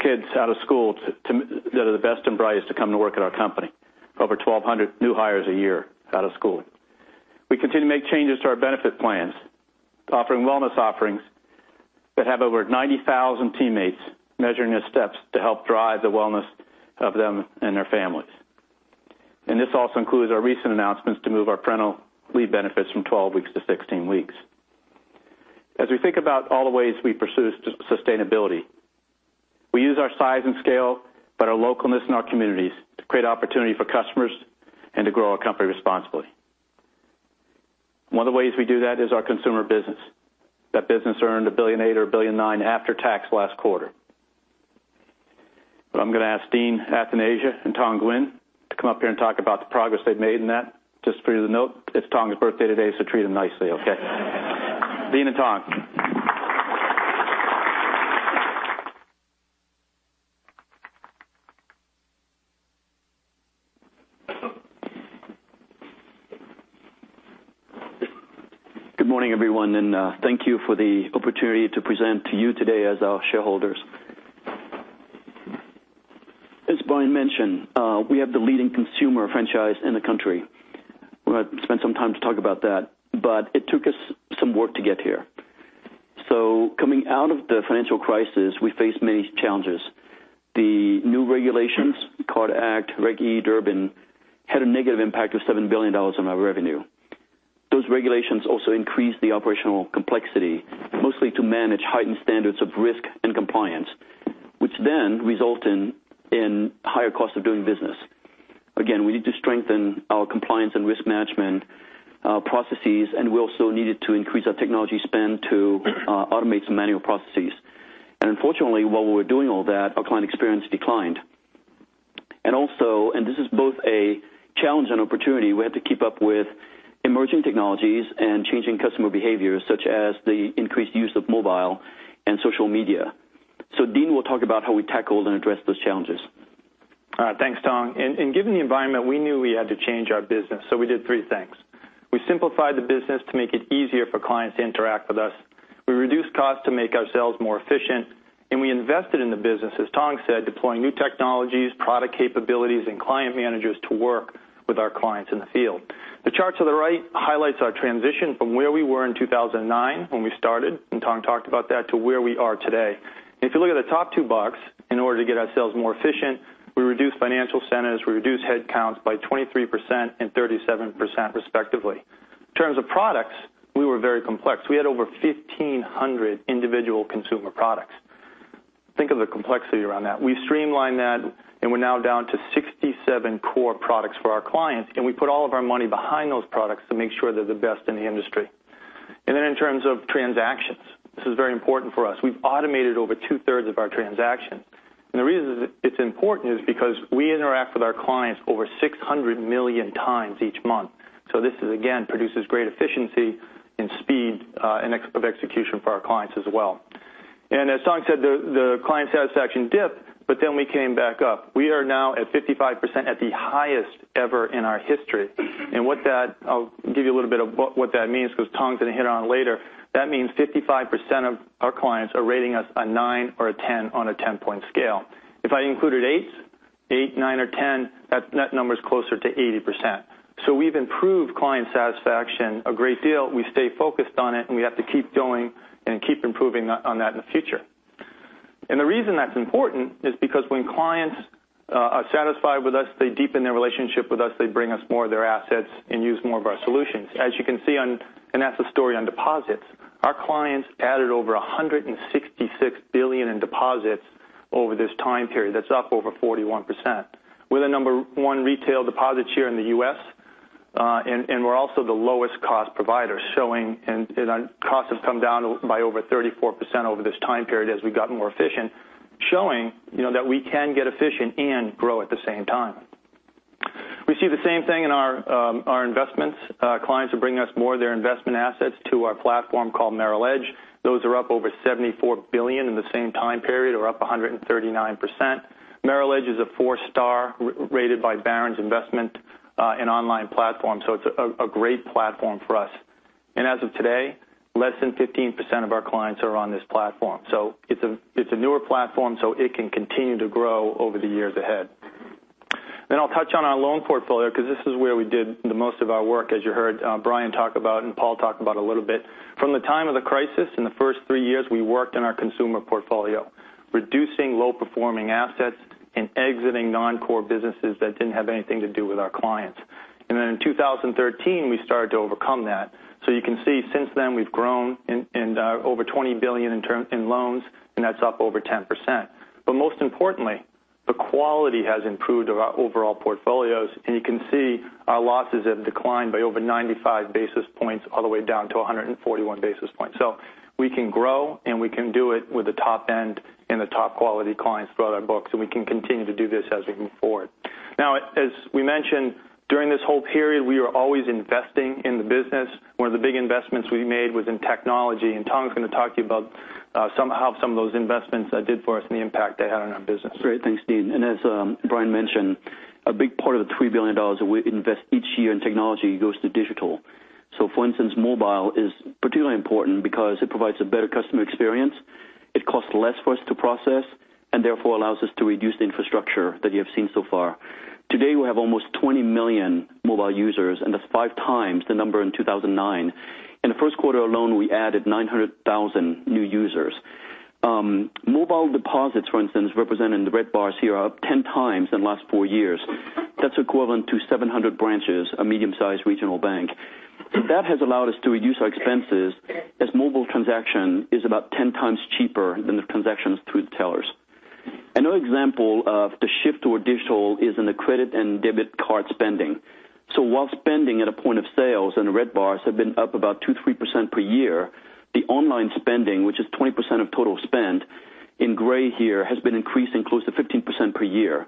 kids out of school that are the best and brightest to come to work at our company. Over 1,200 new hires a year out of school. We continue to make changes to our benefit plans, offering wellness offerings that have over 90,000 teammates measuring their steps to help drive the wellness of them and their families. This also includes our recent announcements to move our parental leave benefits from 12 weeks to 16 weeks. As we think about all the ways we pursue sustainability, we use our size and scale, but our localness in our communities to create opportunity for customers and to grow our company responsibly. One of the ways we do that is our consumer business. That business earned $1.8 billion or $1.9 billion after tax last quarter. I'm going to ask Dean Athanasia and Thong Nguyen to come up here and talk about the progress they've made in that. Just for you to note, it's Thong's birthday today, treat him nicely, okay? Dean and Thong. Good morning, everyone, thank you for the opportunity to present to you today as our shareholders. As Brian mentioned, we have the leading consumer franchise in the country. We're going to spend some time to talk about that, but it took us some work to get here. Coming out of the financial crisis, we faced many challenges. The new regulations, CARD Act, Reg E, Durbin, had a negative impact of $7 billion on our revenue. Those regulations increased the operational complexity, mostly to manage heightened standards of risk and compliance, which then result in higher costs of doing business. We need to strengthen our compliance and risk management processes, and we also needed to increase our technology spend to automate some manual processes. Unfortunately, while we were doing all that, our client experience declined. This is both a challenge and opportunity, we had to keep up with emerging technologies and changing customer behaviors, such as the increased use of mobile and social media. Dean will talk about how we tackled and addressed those challenges. All right. Thanks, Thong. Given the environment, we knew we had to change our business, we did three things. We simplified the business to make it easier for clients to interact with us. We reduced costs to make ourselves more efficient, we invested in the business, as Thong said, deploying new technologies, product capabilities, and client managers to work with our clients in the field. The chart to the right highlights our transition from where we were in 2009 when we started, and Thong talked about that, to where we are today. If you look at the top two box, in order to get ourselves more efficient, we reduced financial centers, we reduced headcounts by 23% and 37% respectively. In terms of products, we were very complex. We had over 1,500 individual consumer products. Think of the complexity around that. We streamlined that, we're now down to 67 core products for our clients, we put all of our money behind those products to make sure they're the best in the industry. In terms of transactions, this is very important for us. We've automated over two-thirds of our transactions. The reason it's important is because we interact with our clients over 600 million times each month. This, again, produces great efficiency and speed of execution for our clients as well. As Thong said, the client satisfaction dipped, we came back up. We are now at 55% at the highest ever in our history. I'll give you a little bit of what that means because Thong's going to hit on it later. That means 55% of our clients are rating us a nine or a ten on a 10-point scale. If I included eights, eight, nine, or 10, that number's closer to 80%. We've improved client satisfaction a great deal. We stay focused on it, and we have to keep going and keep improving on that in the future. The reason that's important is because when clients are satisfied with us, they deepen their relationship with us. They bring us more of their assets and use more of our solutions. As you can see, that's the story on deposits, our clients added over $166 billion in deposits over this time period. That's up over 41%. We're the number one retail deposit share in the U.S., and we're also the lowest cost provider, and our costs have come down by over 34% over this time period as we've gotten more efficient, showing that we can get efficient and grow at the same time. We see the same thing in our investments. Clients are bringing us more of their investment assets to our platform called Merrill Edge. Those are up over $74 billion in the same time period or up 139%. Merrill Edge is a four-star rated by Barron's Investment in online platform. It's a great platform for us. As of today, less than 15% of our clients are on this platform. It's a newer platform, so it can continue to grow over the years ahead. I'll touch on our loan portfolio because this is where we did the most of our work, as you heard Brian talk about and Paul talk about a little bit. From the time of the crisis in the first three years, we worked on our consumer portfolio, reducing low-performing assets and exiting non-core businesses that didn't have anything to do with our clients. In 2013, we started to overcome that. You can see since then we've grown in over $20 billion in loans, and that's up over 10%. Most importantly, the quality has improved of our overall portfolios, and you can see our losses have declined by over 95 basis points all the way down to 141 basis points. We can grow, and we can do it with the top end and the top quality clients throughout our books, and we can continue to do this as we move forward. As we mentioned, during this whole period, we are always investing in the business. One of the big investments we made was in technology, and Thong's going to talk to you about how some of those investments did for us and the impact they had on our business. Great. Thanks, Dean. As Brian mentioned, a big part of the $3 billion that we invest each year in technology goes to digital. For instance, mobile is particularly important because it provides a better customer experience, it costs less for us to process, and therefore allows us to reduce the infrastructure that you have seen so far. Today, we have almost 20 million mobile users, and that's five times the number in 2009. In the first quarter alone, we added 900,000 new users. Mobile deposits, for instance, represented in the red bars here, are up 10 times in the last four years. That's equivalent to 700 branches, a medium-sized regional bank. That has allowed us to reduce our expenses as mobile transaction is about 10 times cheaper than the transactions through the tellers. Another example of the shift to additional is in the credit and debit card spending. While spending at a point of sales in the red bars have been up about 2%-3% per year, the online spending, which is 20% of total spend, in gray here, has been increasing close to 15% per year.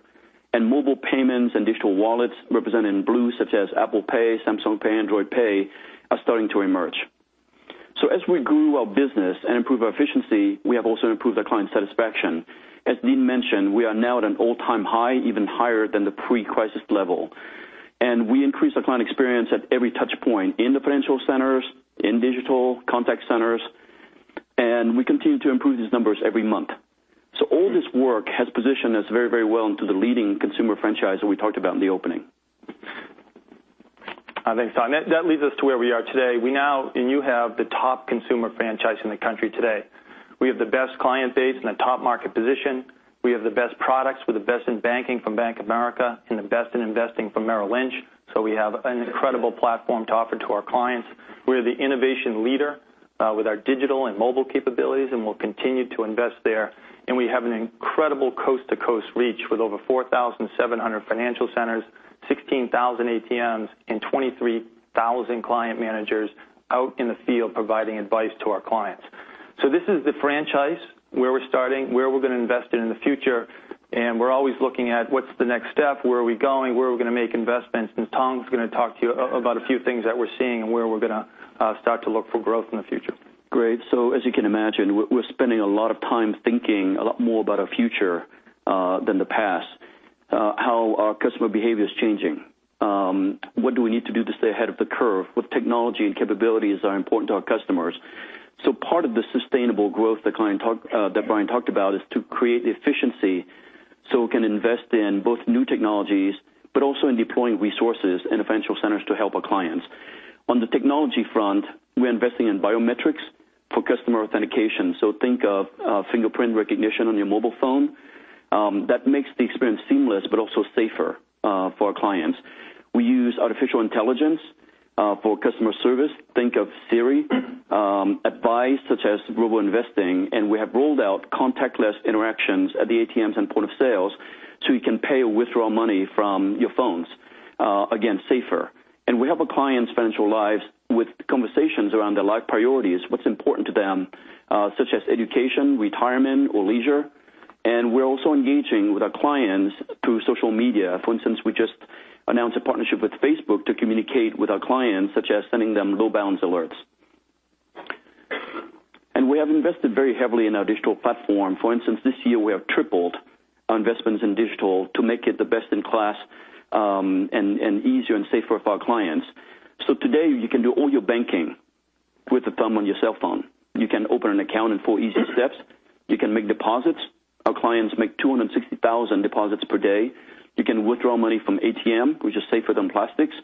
Mobile payments and digital wallets represented in blue, such as Apple Pay, Samsung Pay, Android Pay, are starting to emerge. As we grew our business and improve our efficiency, we have also improved our client satisfaction. As Dean mentioned, we are now at an all-time high, even higher than the pre-crisis level. We increase our client experience at every touch point in the financial centers, in digital contact centers, and we continue to improve these numbers every month. All this work has positioned us very well into the leading consumer franchise that we talked about in the opening. Thanks, Thong. That leads us to where we are today. We now, and you have the top consumer franchise in the country today. We have the best client base and a top market position. We have the best products. We have the best in banking from Bank of America and the best in investing from Merrill Lynch. We have an incredible platform to offer to our clients. We are the innovation leader with our digital and mobile capabilities, and we'll continue to invest there. We have an incredible coast-to-coast reach with over 4,700 financial centers, 16,000 ATMs, and 23,000 client managers out in the field providing advice to our clients. This is the franchise where we're starting, where we're going to invest in in the future, and we're always looking at what's the next step, where are we going, where are we going to make investments, and Thong's going to talk to you about a few things that we're seeing and where we're going to start to look for growth in the future. Great. As you can imagine, we're spending a lot of time thinking a lot more about our future than the past. How our customer behavior is changing. What do we need to do to stay ahead of the curve? What technology and capabilities are important to our customers? Part of the sustainable growth that Brian talked about is to create the efficiency so we can invest in both new technologies, but also in deploying resources in financial centers to help our clients. On the technology front, we're investing in biometrics for customer authentication. Think of fingerprint recognition on your mobile phone. That makes the experience seamless but also safer for our clients. We use artificial intelligence for customer service. Think of Siri. Advice such as global investing, we have rolled out contactless interactions at the ATMs and point of sales so you can pay or withdraw money from your phones. Again, safer. We help our clients' financial lives with conversations around their life priorities, what's important to them, such as education, retirement, or leisure. We're also engaging with our clients through social media. For instance, we just announced a partnership with Facebook to communicate with our clients, such as sending them low balance alerts. We have invested very heavily in our digital platform. For instance, this year we have tripled our investments in digital to make it the best in class, and easier and safer for our clients. Today, you can do all your banking with the thumb on your cell phone. You can open an account in four easy steps. You can make deposits. Our clients make 260,000 deposits per day. You can withdraw money from ATM, which is safer than plastics.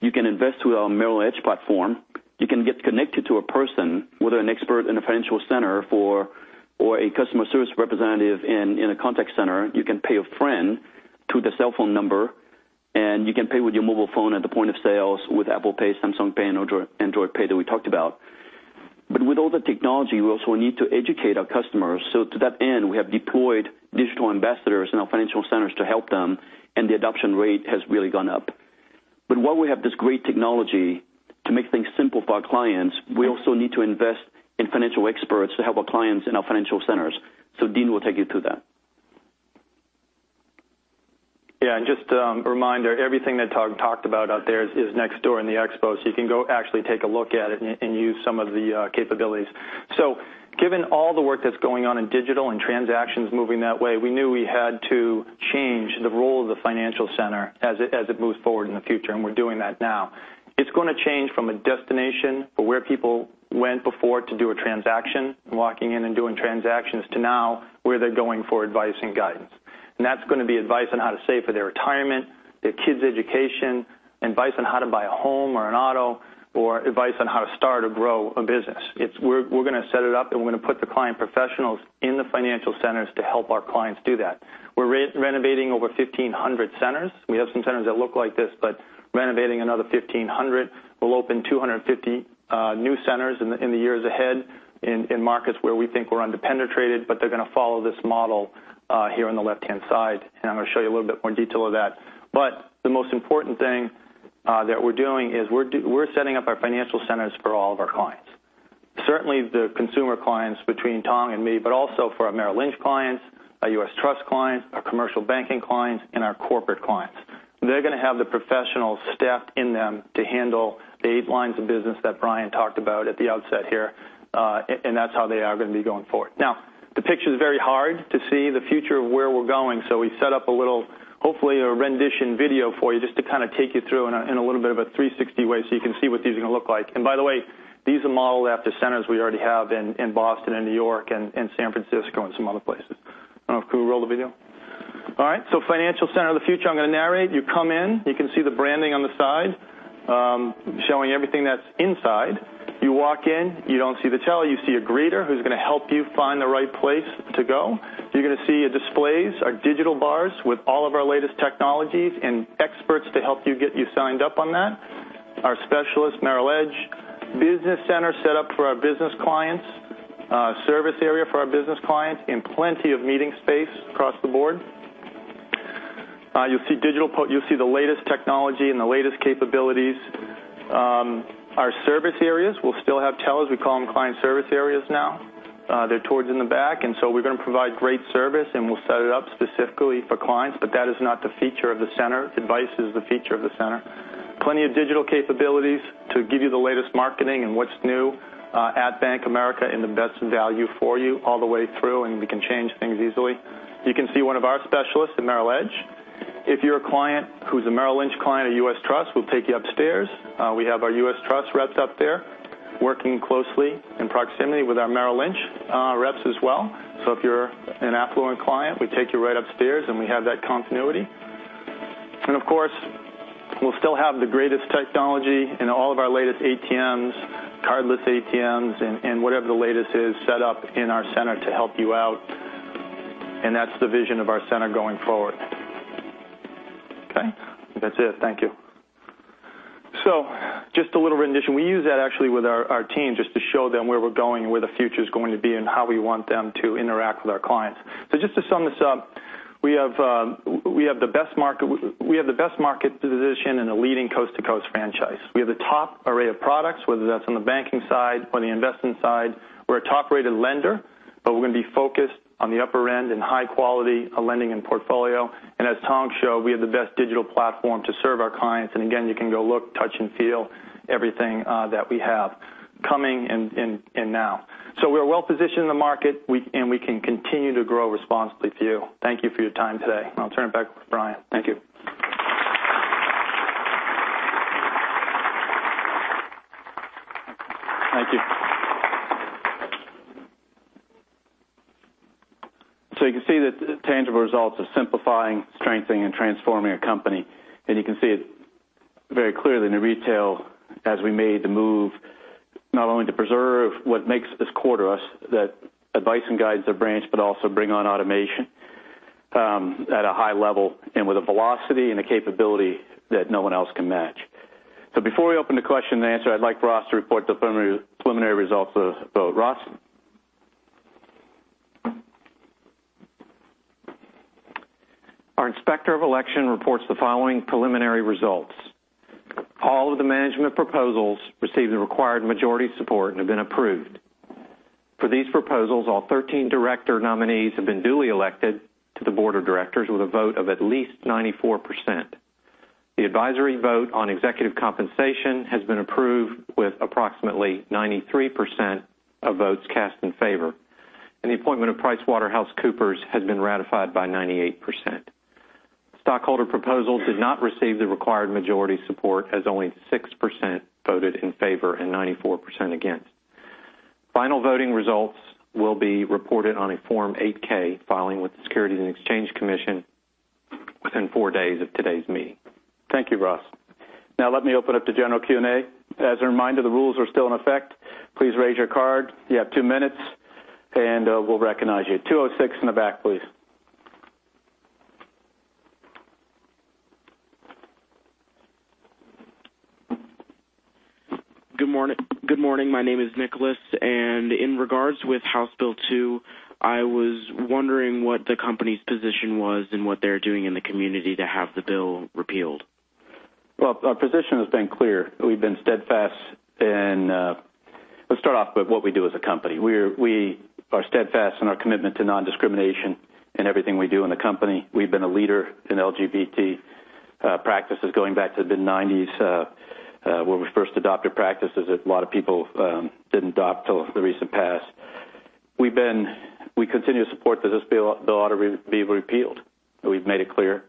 You can invest through our Merrill Edge platform. You can get connected to a person, whether an expert in a financial center or a customer service representative in a contact center. You can pay a friend through their cell phone number, you can pay with your mobile phone at the point of sales with Apple Pay, Samsung Pay, and Android Pay that we talked about. With all the technology, we also need to educate our customers. To that end, we have deployed digital ambassadors in our financial centers to help them, the adoption rate has really gone up. While we have this great technology to make things simple for our clients, we also need to invest in financial experts to help our clients in our financial centers. Dean will take you through that. Just a reminder, everything that Thong talked about out there is next door in the expo. You can go actually take a look at it and use some of the capabilities. Given all the work that's going on in digital and transactions moving that way, we knew we had to change the role of the financial center as it moves forward in the future, and we're doing that now. It's going to change from a destination for where people went before to do a transaction, walking in and doing transactions, to now where they're going for advice and guidance. That's going to be advice on how to save for their retirement, their kids' education, advice on how to buy a home or an auto, or advice on how to start or grow a business. We're going to set it up and we're going to put the client professionals in the financial centers to help our clients do that. We're renovating over 1,500 centers. We have some centers that look like this, but renovating another 1,500. We'll open 250 new centers in the years ahead in markets where we think we're under-penetrated, but they're going to follow this model here on the left-hand side, and I'm going to show you a little bit more detail of that. The most important thing that we're doing is we're setting up our financial centers for all of our clients. Certainly, the consumer clients between Thong and me, but also for our Merrill Lynch clients, our U.S. Trust clients, our commercial banking clients, and our corporate clients. They're going to have the professional staff in them to handle the eight lines of business that Brian talked about at the outset here, and that's how they are going to be going forward. The picture's very hard to see the future of where we're going, we set up a little, hopefully, a rendition video for you just to kind of take you through in a little bit of a 360 way so you can see what these are going to look like. By the way, these are modeled after centers we already have in Boston and New York and San Francisco and some other places. I don't know. Can we roll the video? All right. Financial center of the future, I'm going to narrate. You come in, you can see the branding on the side, showing everything that's inside. You walk in, you don't see the teller. You see a greeter who's going to help you find the right place to go. You're going to see displays, our digital bars with all of our latest technologies and experts to help you get you signed up on that. Our specialist, Merrill Edge. Business center set up for our business clients, service area for our business clients, and plenty of meeting space across the board. You'll see the latest technology and the latest capabilities. Our service areas will still have tellers. We call them client service areas now. They're towards in the back, and so we're going to provide great service, and we'll set it up specifically for clients, but that is not the feature of the center. Advice is the feature of the center. Plenty of digital capabilities to give you the latest marketing and what's new at Bank of America and the best value for you all the way through. We can change things easily. You can see one of our specialists at Merrill Edge. If you're a client who's a Merrill Lynch client or U.S. Trust, we'll take you upstairs. We have our U.S. Trust reps up there working closely in proximity with our Merrill Lynch reps as well. If you're an affluent client, we take you right upstairs, and we have that continuity. Of course, we'll still have the greatest technology and all of our latest ATMs, cardless ATMs, and whatever the latest is set up in our center to help you out. That's the vision of our center going forward. Okay. That's it. Thank you. Just a little rendition. We use that actually with our team just to show them where we're going and where the future's going to be and how we want them to interact with our clients. Just to sum this up, we have the best market position and a leading coast-to-coast franchise. We have the top array of products, whether that's on the banking side or the investment side. We're a top-rated lender, but we're going to be focused on the upper end and high quality of lending and portfolio. As Thong showed, we have the best digital platform to serve our clients. Again, you can go look, touch, and feel everything that we have coming and now. We're well-positioned in the market, and we can continue to grow responsibly for you. Thank you for your time today. I'll turn it back to Brian. Thank you. Thank you. You can see the tangible results of simplifying, strengthening, and transforming our company. You can see it very clearly in the retail as we made the move, not only to preserve what makes this core to us, that advice and guides our branch, but also bring on automation at a high level and with a velocity and a capability that no one else can match. Before we open the question and answer, I'd like Ross to report the preliminary results of the vote. Ross? Our Inspector of Election reports the following preliminary results. All of the management proposals received the required majority support and have been approved. For these proposals, all 13 director nominees have been duly elected to the board of directors with a vote of at least 94%. The advisory vote on executive compensation has been approved with approximately 93% of votes cast in favor. The appointment of PricewaterhouseCoopers has been ratified by 98%. Stockholder proposal did not receive the required majority support, as only 6% voted in favor and 94% against. Final voting results will be reported on a Form 8-K filing with the Securities and Exchange Commission within four days of today's meeting. Thank you, Ross. Now let me open up to general Q&A. As a reminder, the rules are still in effect. Please raise your card. You have two minutes, and we'll recognize you. 206 in the back, please. Good morning. My name is Nicholas, in regards with House Bill 2, I was wondering what the company's position was and what they're doing in the community to have the bill repealed. Well, our position has been clear. We've been steadfast. Let's start off with what we do as a company. We are steadfast in our commitment to non-discrimination in everything we do in the company. We've been a leader in LGBT practices going back to the mid-'90s, where we first adopted practices that a lot of people didn't adopt till the recent past. We continue to support that this bill ought to be repealed, we've made it clear.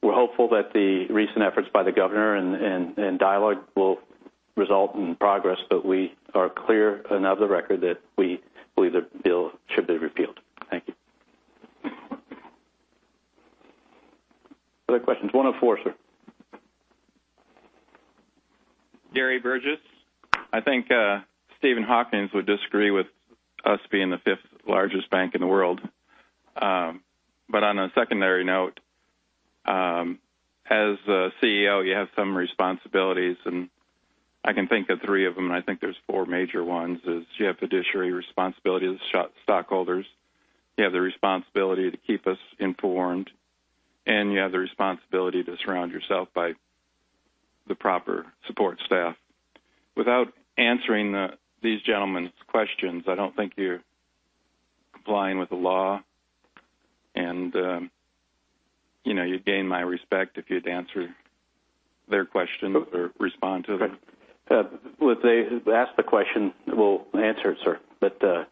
We're hopeful that the recent efforts by the governor and dialogue will result in progress, we are clear and of the record that we believe the bill should be repealed. Thank you. Other questions? 104, sir. Gary Burgess. I think Stephen Hawking would disagree with us being the fifth largest bank in the world. On a secondary note, as a CEO, you have some responsibilities, and I can think of three of them, and I think there's four major ones, is you have fiduciary responsibilities to stockholders. You have the responsibility to keep us informed, and you have the responsibility to surround yourself by the proper support staff. Without answering these gentlemen's questions, I don't think you're complying with the law. You'd gain my respect if you'd answer their questions or respond to them. Would they ask the question? We'll answer it, sir. Mr.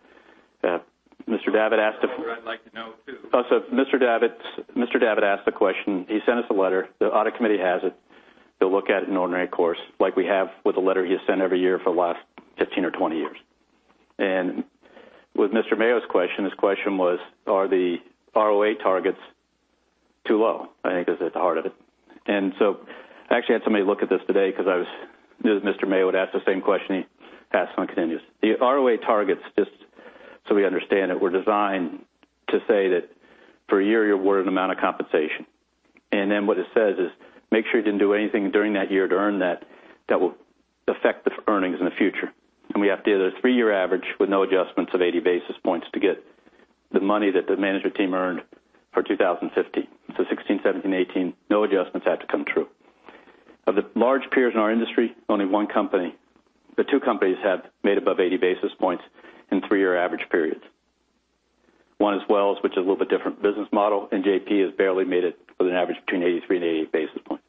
Davitt asked I'd like to know too. Mr. Davitt asked a question. He sent us a letter. The audit committee has it. They'll look at it in ordinary course, like we have with the letter he has sent every year for the last 15 or 20 years. With Mr. Mayo's question, his question was, are the ROA targets too low? I think is at the heart of it. I actually had somebody look at this today because I knew that Mr. Mayo would ask the same question he asked on continuous. The ROA targets, just so we understand it, were designed to say that for a year you're awarded an amount of compensation. Then what it says is, make sure you didn't do anything during that year to earn that will affect the earnings in the future. We have to do the three-year average with no adjustments of 80 basis points to get the money that the management team earned for 2015. 2016, 2017, 2018, no adjustments had to come true. Of the large peers in our industry, only one company. The two companies have made above 80 basis points in three-year average periods. One is Wells which is a little bit different business model, and JP has barely made it with an average between 83 and 88 basis points.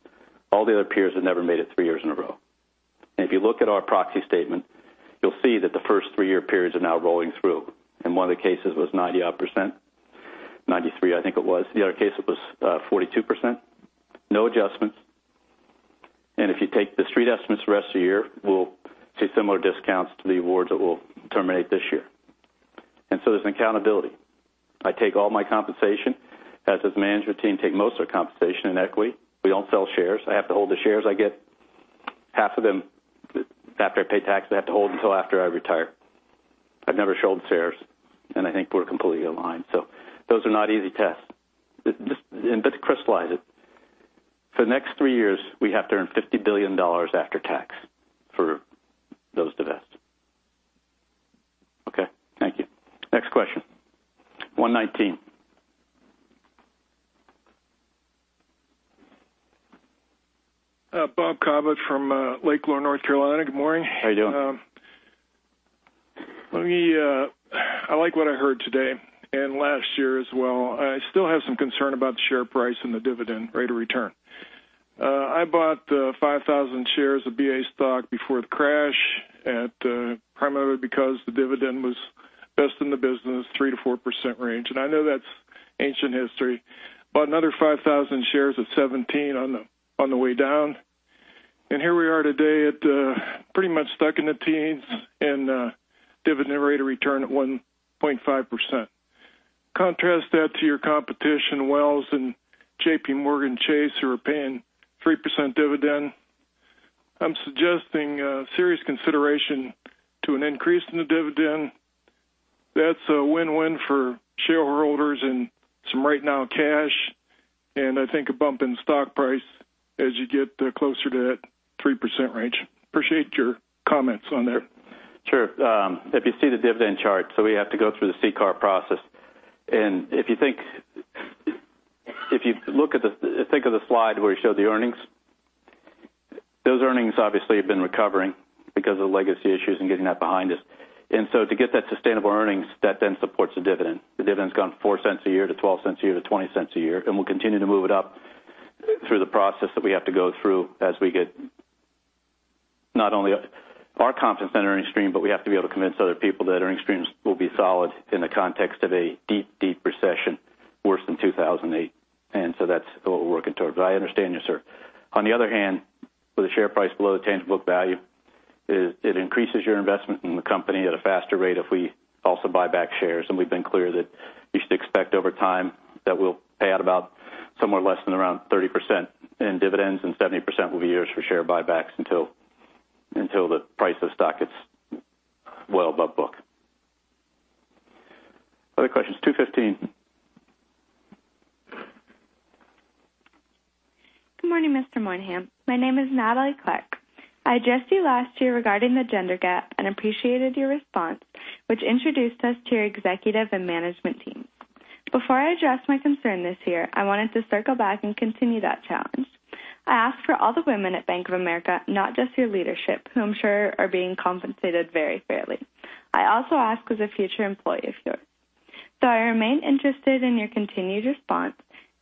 All the other peers have never made it three years in a row. If you look at our proxy statement, you'll see that the first three-year periods are now rolling through. In one of the cases was 90-odd%, 93% I think it was. The other case, it was 42%. No adjustments. If you take the street estimates the rest of the year, we'll see similar discounts to the awards that will terminate this year. There's accountability. I take all my compensation, as does the management team take most of their compensation in equity. We don't sell shares. I have to hold the shares I get. Half of them, after I pay taxes, I have to hold until after I retire. I've never sold shares, and I think we're completely aligned. Those are not easy tests. To crystallize it, for the next three years, we have to earn $50 billion after tax for those to vest. Okay. Thank you. Next question. 119. Robert Cobbett from Lake Lure, North Carolina. Good morning. How you doing? I like what I heard today and last year as well. I still have some concern about the share price and the dividend rate of return. I bought 5,000 shares of BAC stock before the crash primarily because the dividend was best in the business, 3%-4% range. I know that's ancient history. Bought another 5,000 shares at 17 on the way down. Here we are today at pretty much stuck in the teens and dividend rate of return at 1.5%. Contrast that to your competition, Wells Fargo and JPMorgan Chase, who are paying 3% dividend. I'm suggesting serious consideration to an increase in the dividend. That's a win-win for shareholders and some right now cash, and I think a bump in stock price as you get closer to that 3% range. Appreciate your comments on there. Sure. If you see the dividend chart, we have to go through the CCAR process. If you think of the slide where we showed the earnings, those earnings obviously have been recovering because of the legacy issues and getting that behind us. To get that sustainable earnings, that then supports the dividend. The dividend's gone $0.04 a year to $0.12 a year to $0.20 a year, we'll continue to move it up through the process that we have to go through as we get not only our confidence in the earnings stream, but we have to be able to convince other people that earnings streams will be solid in the context of a deep recession. Worse than 2008. That's what we're working towards. I understand you, sir. On the other hand, with a share price below the tangible book value, it increases your investment in the company at a faster rate if we also buy back shares. We've been clear that you should expect over time that we'll pay out about somewhere less than around 30% in dividends, and 70% will be yours for share buybacks until the price of stock is well above book. Other questions? 215. Good morning, Mr. Moynihan. My name is Natalie Clark. I addressed you last year regarding the gender gap and appreciated your response, which introduced us to your executive and management team. Before I address my concern this year, I wanted to circle back and continue that challenge. I ask for all the women at Bank of America, not just your leadership, who I'm sure are being compensated very fairly. I also ask as a future employee of yours. Though I remain interested in your continued response,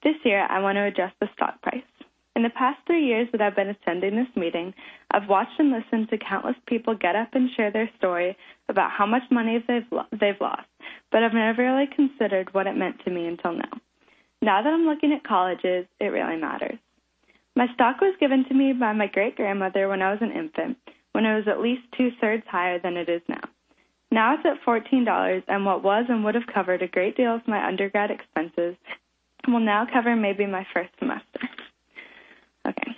this year, I want to address the stock price. In the past three years that I've been attending this meeting, I've watched and listened to countless people get up and share their story about how much money they've lost. I've never really considered what it meant to me until now. Now that I'm looking at colleges, it really matters. My stock was given to me by my great-grandmother when I was an infant, when it was at least two-thirds higher than it is now. Now it's at $14, what was and would have covered a great deal of my undergrad expenses will now cover maybe my first semester. Okay.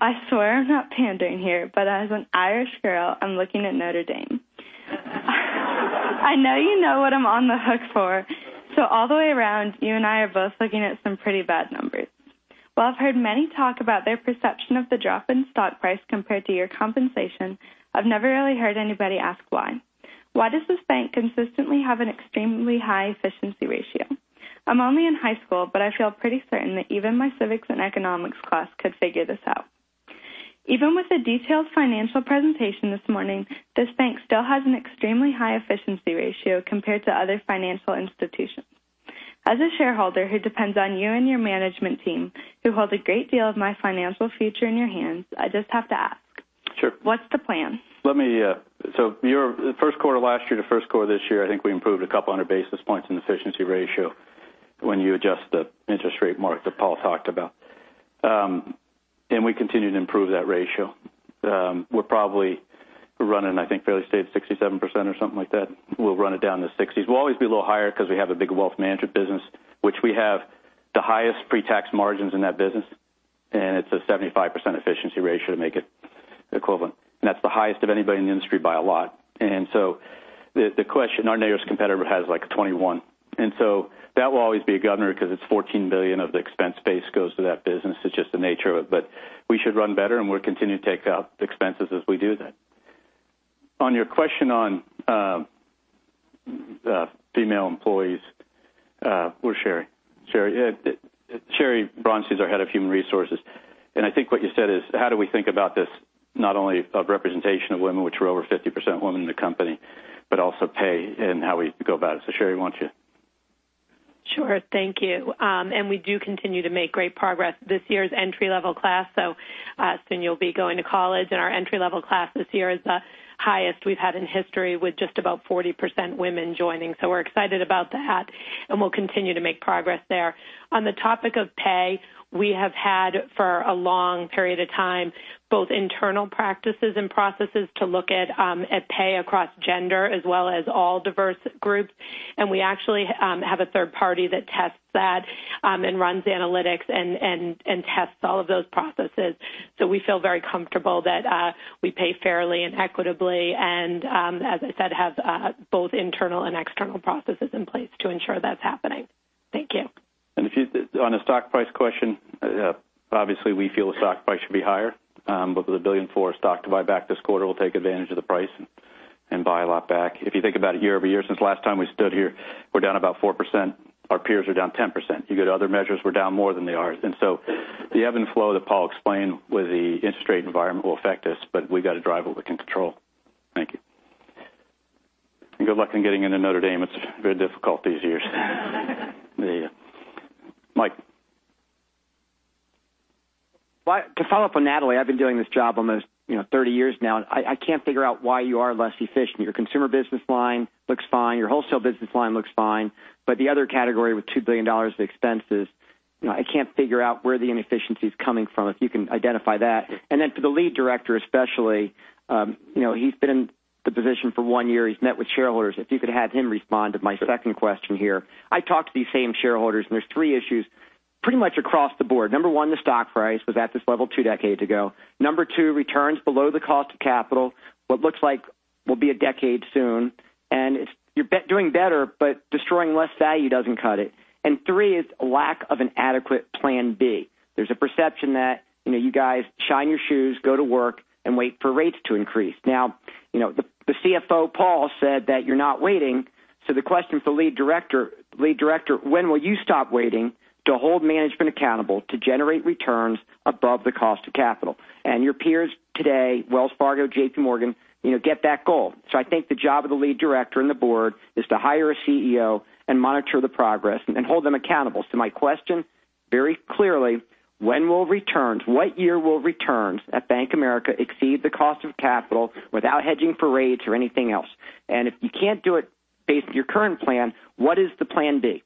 I swear I'm not pandering here, as an Irish girl, I'm looking at Notre Dame. I know you know what I'm on the hook for. All the way around, you and I are both looking at some pretty bad numbers. While I've heard many talk about their perception of the drop in stock price compared to your compensation, I've never really heard anybody ask why. Why does this bank consistently have an extremely high efficiency ratio? I'm only in high school, I feel pretty certain that even my civics and economics class could figure this out. Even with a detailed financial presentation this morning, this bank still has an extremely high efficiency ratio compared to other financial institutions. As a shareholder who depends on you and your management team, who hold a great deal of my financial future in your hands, I just have to ask. Sure. What's the plan? The first quarter last year to first quarter this year, I think we improved 200 basis points in efficiency ratio when you adjust the interest rate mark that Paul talked about. We continue to improve that ratio. We're probably running, I think fairly stated, 67% or something like that. We'll run it down to 60s. We'll always be a little higher because we have a big wealth management business, which we have the highest pre-tax margins in that business, and it's a 75% efficiency ratio to make it equivalent. That's the highest of anybody in the industry by a lot. The question, our nearest competitor has like 21. That will always be a governor because it's $14 billion of the expense base goes to that business. It's just the nature of it. We should run better, and we'll continue to take out expenses as we do that. On your question on female employees, where's Sheri? Sheri Bronstein is our Head of Human Resources. I think what you said is how do we think about this, not only of representation of women, which we're over 50% women in the company, but also pay and how we go about it. Sheri, why don't you? Sure. Thank you. We do continue to make great progress. This year's entry-level class, so soon you'll be going to college, Our entry-level class this year is the highest we've had in history with just about 40% women joining. We're excited about that, and we'll continue to make progress there. On the topic of pay, we have had for a long period of time, both internal practices and processes to look at pay across gender as well as all diverse groups. We actually have a third party that tests that and runs analytics and tests all of those processes. We feel very comfortable that we pay fairly and equitably and, as I said, have both internal and external processes in place to ensure that's happening. Thank you. On the stock price question, obviously, we feel the stock price should be higher. With $1.4 billion of stock to buy back this quarter, we'll take advantage of the price and buy a lot back. If you think about it year-over-year since last time we stood here, we're down about 4%. Our peers are down 10%. You get other measures, we're down more than they are. The ebb and flow that Paul explained with the interest rate environment will affect us, but we got to drive what we can control. Thank you. Good luck on getting into Notre Dame. It's very difficult these years. Mike. To follow up on Natalie, I've been doing this job almost 30 years now, I can't figure out why you are less efficient. Your Consumer Banking looks fine. Your wholesale business line looks fine. The other category with $2 billion of expenses, I can't figure out where the inefficiency is coming from, if you can identify that. Then for the lead director, especially, he's been in the position for one year. He's met with shareholders. If you could have him respond to my second question here. I talk to these same shareholders, there's three issues pretty much across the board. Number 1, the stock price was at this level 2 decades ago. Number 2, returns below the cost of capital, what looks like will be a decade soon. You're doing better, but destroying less value doesn't cut it. Three is lack of an adequate plan B. There's a perception that you guys shine your shoes, go to work, and wait for rates to increase. The CFO, Paul, said that you're not waiting. The question for lead director, when will you stop waiting to hold management accountable to generate returns above the cost of capital? Your peers today, Wells Fargo, JPMorgan, get that goal. I think the job of the lead director and the board is to hire a CEO and monitor the progress and hold them accountable. My question- Very clearly, when will returns, what year will returns at Bank of America exceed the cost of capital without hedging for rates or anything else? If you can't do it based on your current plan, what is the plan B?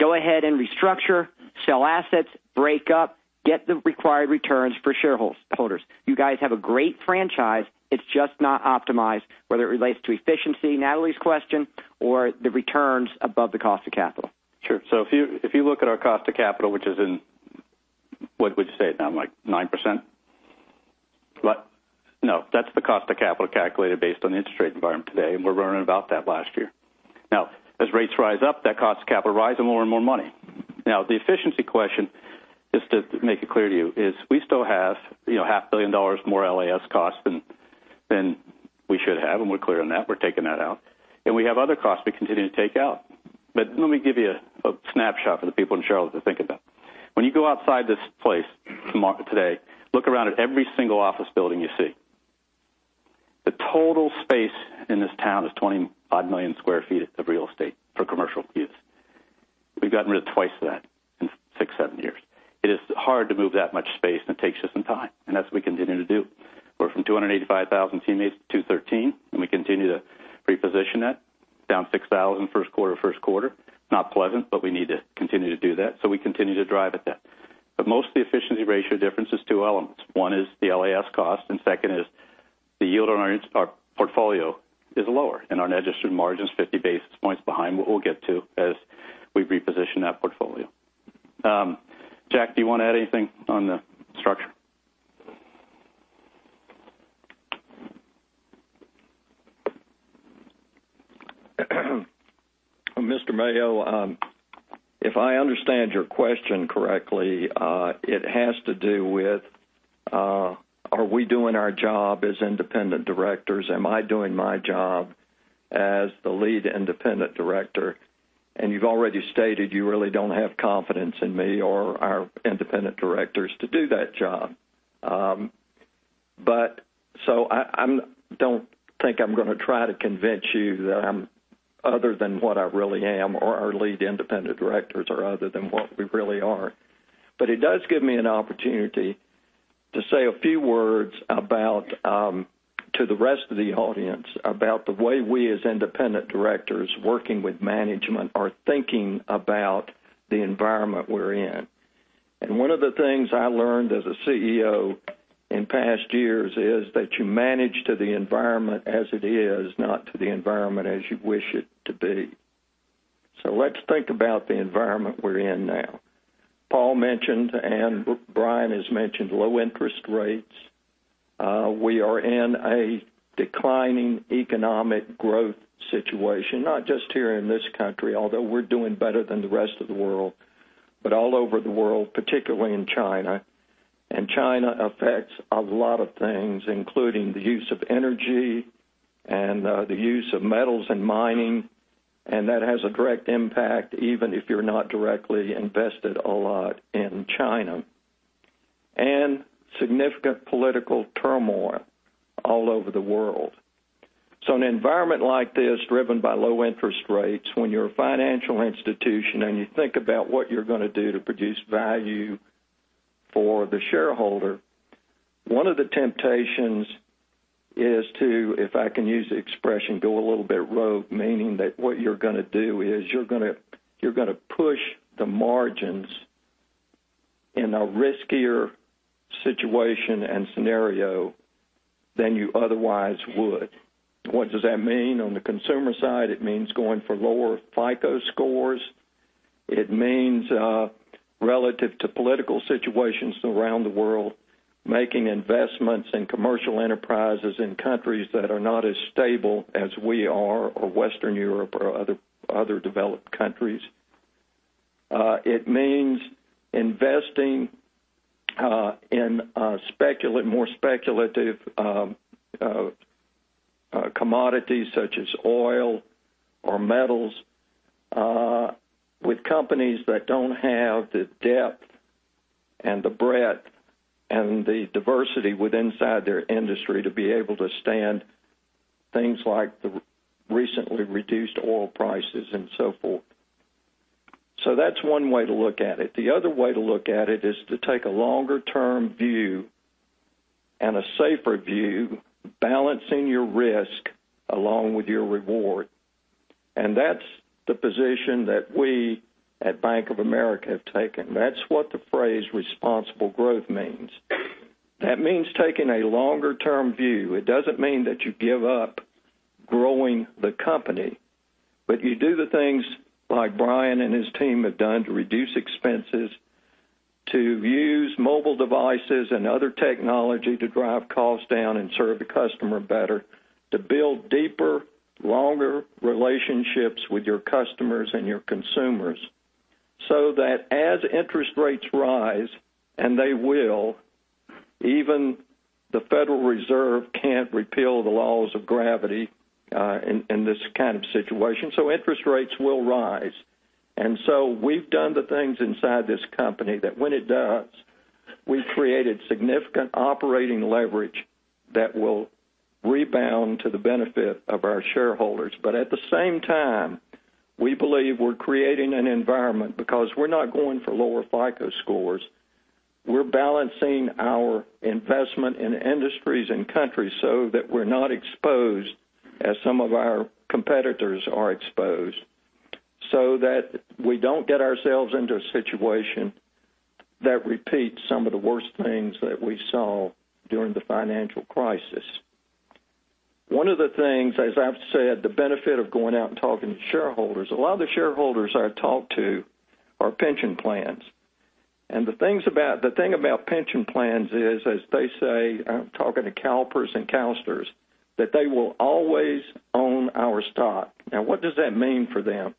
Go ahead and restructure, sell assets, break up, get the required returns for shareholders. You guys have a great franchise. It's just not optimized whether it relates to efficiency, Natalie's question, or the returns above the cost of capital. Sure. If you look at our cost of capital, which is in, what would you say it now, like 9%? No, that's the cost of capital calculated based on the interest rate environment today, we're learning about that last year. As rates rise up, that cost of capital rise and more and more money. The efficiency question, just to make it clear to you, is we still have half a billion dollars more LAS cost than we should have, we're clear on that. We're taking that out. We have other costs we continue to take out. Let me give you a snapshot for the people in Charlotte to think about. When you go outside this place tomorrow, today, look around at every single office building you see. The total space in this town is 25 million sq ft of real estate for commercial use. We've gotten rid of twice that in six, seven years. It is hard to move that much space, it takes you some time, that's what we continue to do. We're from 285,000 teammates to 213,000, we continue to reposition that down 6,000 first quarter, first quarter. Not pleasant, we need to continue to do that. We continue to drive at that. Most of the efficiency ratio difference is two elements. One is the LAS cost, second is the yield on our portfolio is lower and our net interest margins 50 basis points behind what we'll get to as we reposition that portfolio. Jack, do you want to add anything on the structure? Mr. Mayo, if I understand your question correctly, it has to do with are we doing our job as independent directors? Am I doing my job as the lead independent director? You've already stated you really don't have confidence in me or our independent directors to do that job. I don't think I'm going to try to convince you that I'm other than what I really am or our lead independent directors are other than what we really are. It does give me an opportunity to say a few words to the rest of the audience about the way we, as independent directors working with management, are thinking about the environment we're in. One of the things I learned as a CEO in past years is that you manage to the environment as it is, not to the environment as you wish it to be. Let's think about the environment we're in now. Paul mentioned and Brian has mentioned low interest rates. We are in a declining economic growth situation, not just here in this country, although we're doing better than the rest of the world, but all over the world, particularly in China. China affects a lot of things, including the use of energy and the use of metals and mining. That has a direct impact, even if you're not directly invested a lot in China. Significant political turmoil all over the world. An environment like this, driven by low interest rates, when you're a financial institution and you think about what you're going to do to produce value for the shareholder, one of the temptations is to, if I can use the expression, go a little bit rogue, meaning that what you're going to do is you're going to push the margins in a riskier situation and scenario than you otherwise would. What does that mean? On the consumer side, it means going for lower FICO scores. It means, relative to political situations around the world, making investments in commercial enterprises in countries that are not as stable as we are or Western Europe or other developed countries. It means investing in more speculative commodities such as oil or metals with companies that don't have the depth and the breadth and the diversity with inside their industry to be able to stand things like the recently reduced oil prices and so forth. That's one way to look at it. The other way to look at it is to take a longer-term view and a safer view, balancing your risk along with your reward. That's the position that we at Bank of America have taken. That's what the phrase responsible growth means. That means taking a longer-term view. It doesn't mean that you give up growing the company, but you do the things like Brian and his team have done to reduce expenses, to use mobile devices and other technology to drive costs down and serve the customer better, to build deeper, longer relationships with your customers and your consumers, so that as interest rates rise, and they will, even the Federal Reserve can't repeal the laws of gravity in this kind of situation. Interest rates will rise. We've done the things inside this company that when it does We've created significant operating leverage that will rebound to the benefit of our shareholders. At the same time, we believe we're creating an environment because we're not going for lower FICO scores. We're balancing our investment in industries and countries so that we're not exposed, as some of our competitors are exposed, so that we don't get ourselves into a situation that repeats some of the worst things that we saw during the financial crisis. One of the things, as I've said, the benefit of going out and talking to shareholders, a lot of the shareholders I talk to are pension plans. The thing about pension plans is, as they say, I'm talking to CalPERS and CalSTRS, that they will always own our stock. Now, what does that mean for them?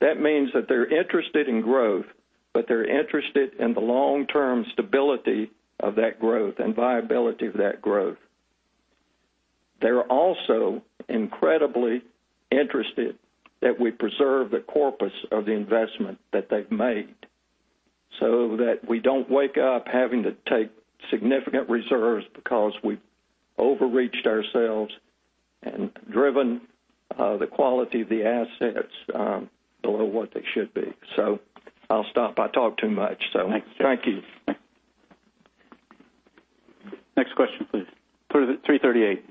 That means that they're interested in growth, but they're interested in the long-term stability of that growth and viability of that growth. They're also incredibly interested that we preserve the corpus of the investment that they've made so that we don't wake up having to take significant reserves because we've overreached ourselves and driven the quality of the assets below what they should be. I'll stop. I talk too much. Thank you. Thank you. Next question, please. 338.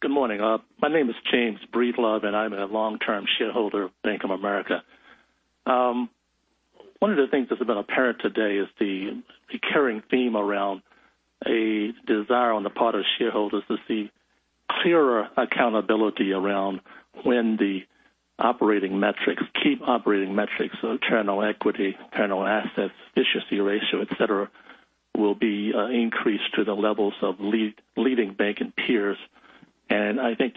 Good morning. My name is James Breedlove. I'm a long-term shareholder of Bank of America. One of the things that's been apparent today is the recurring theme around a desire on the part of shareholders to see clearer accountability around when the operating metrics, key operating metrics, internal equity, internal assets, efficiency ratio, et cetera, will be increased to the levels of leading bank and peers. I think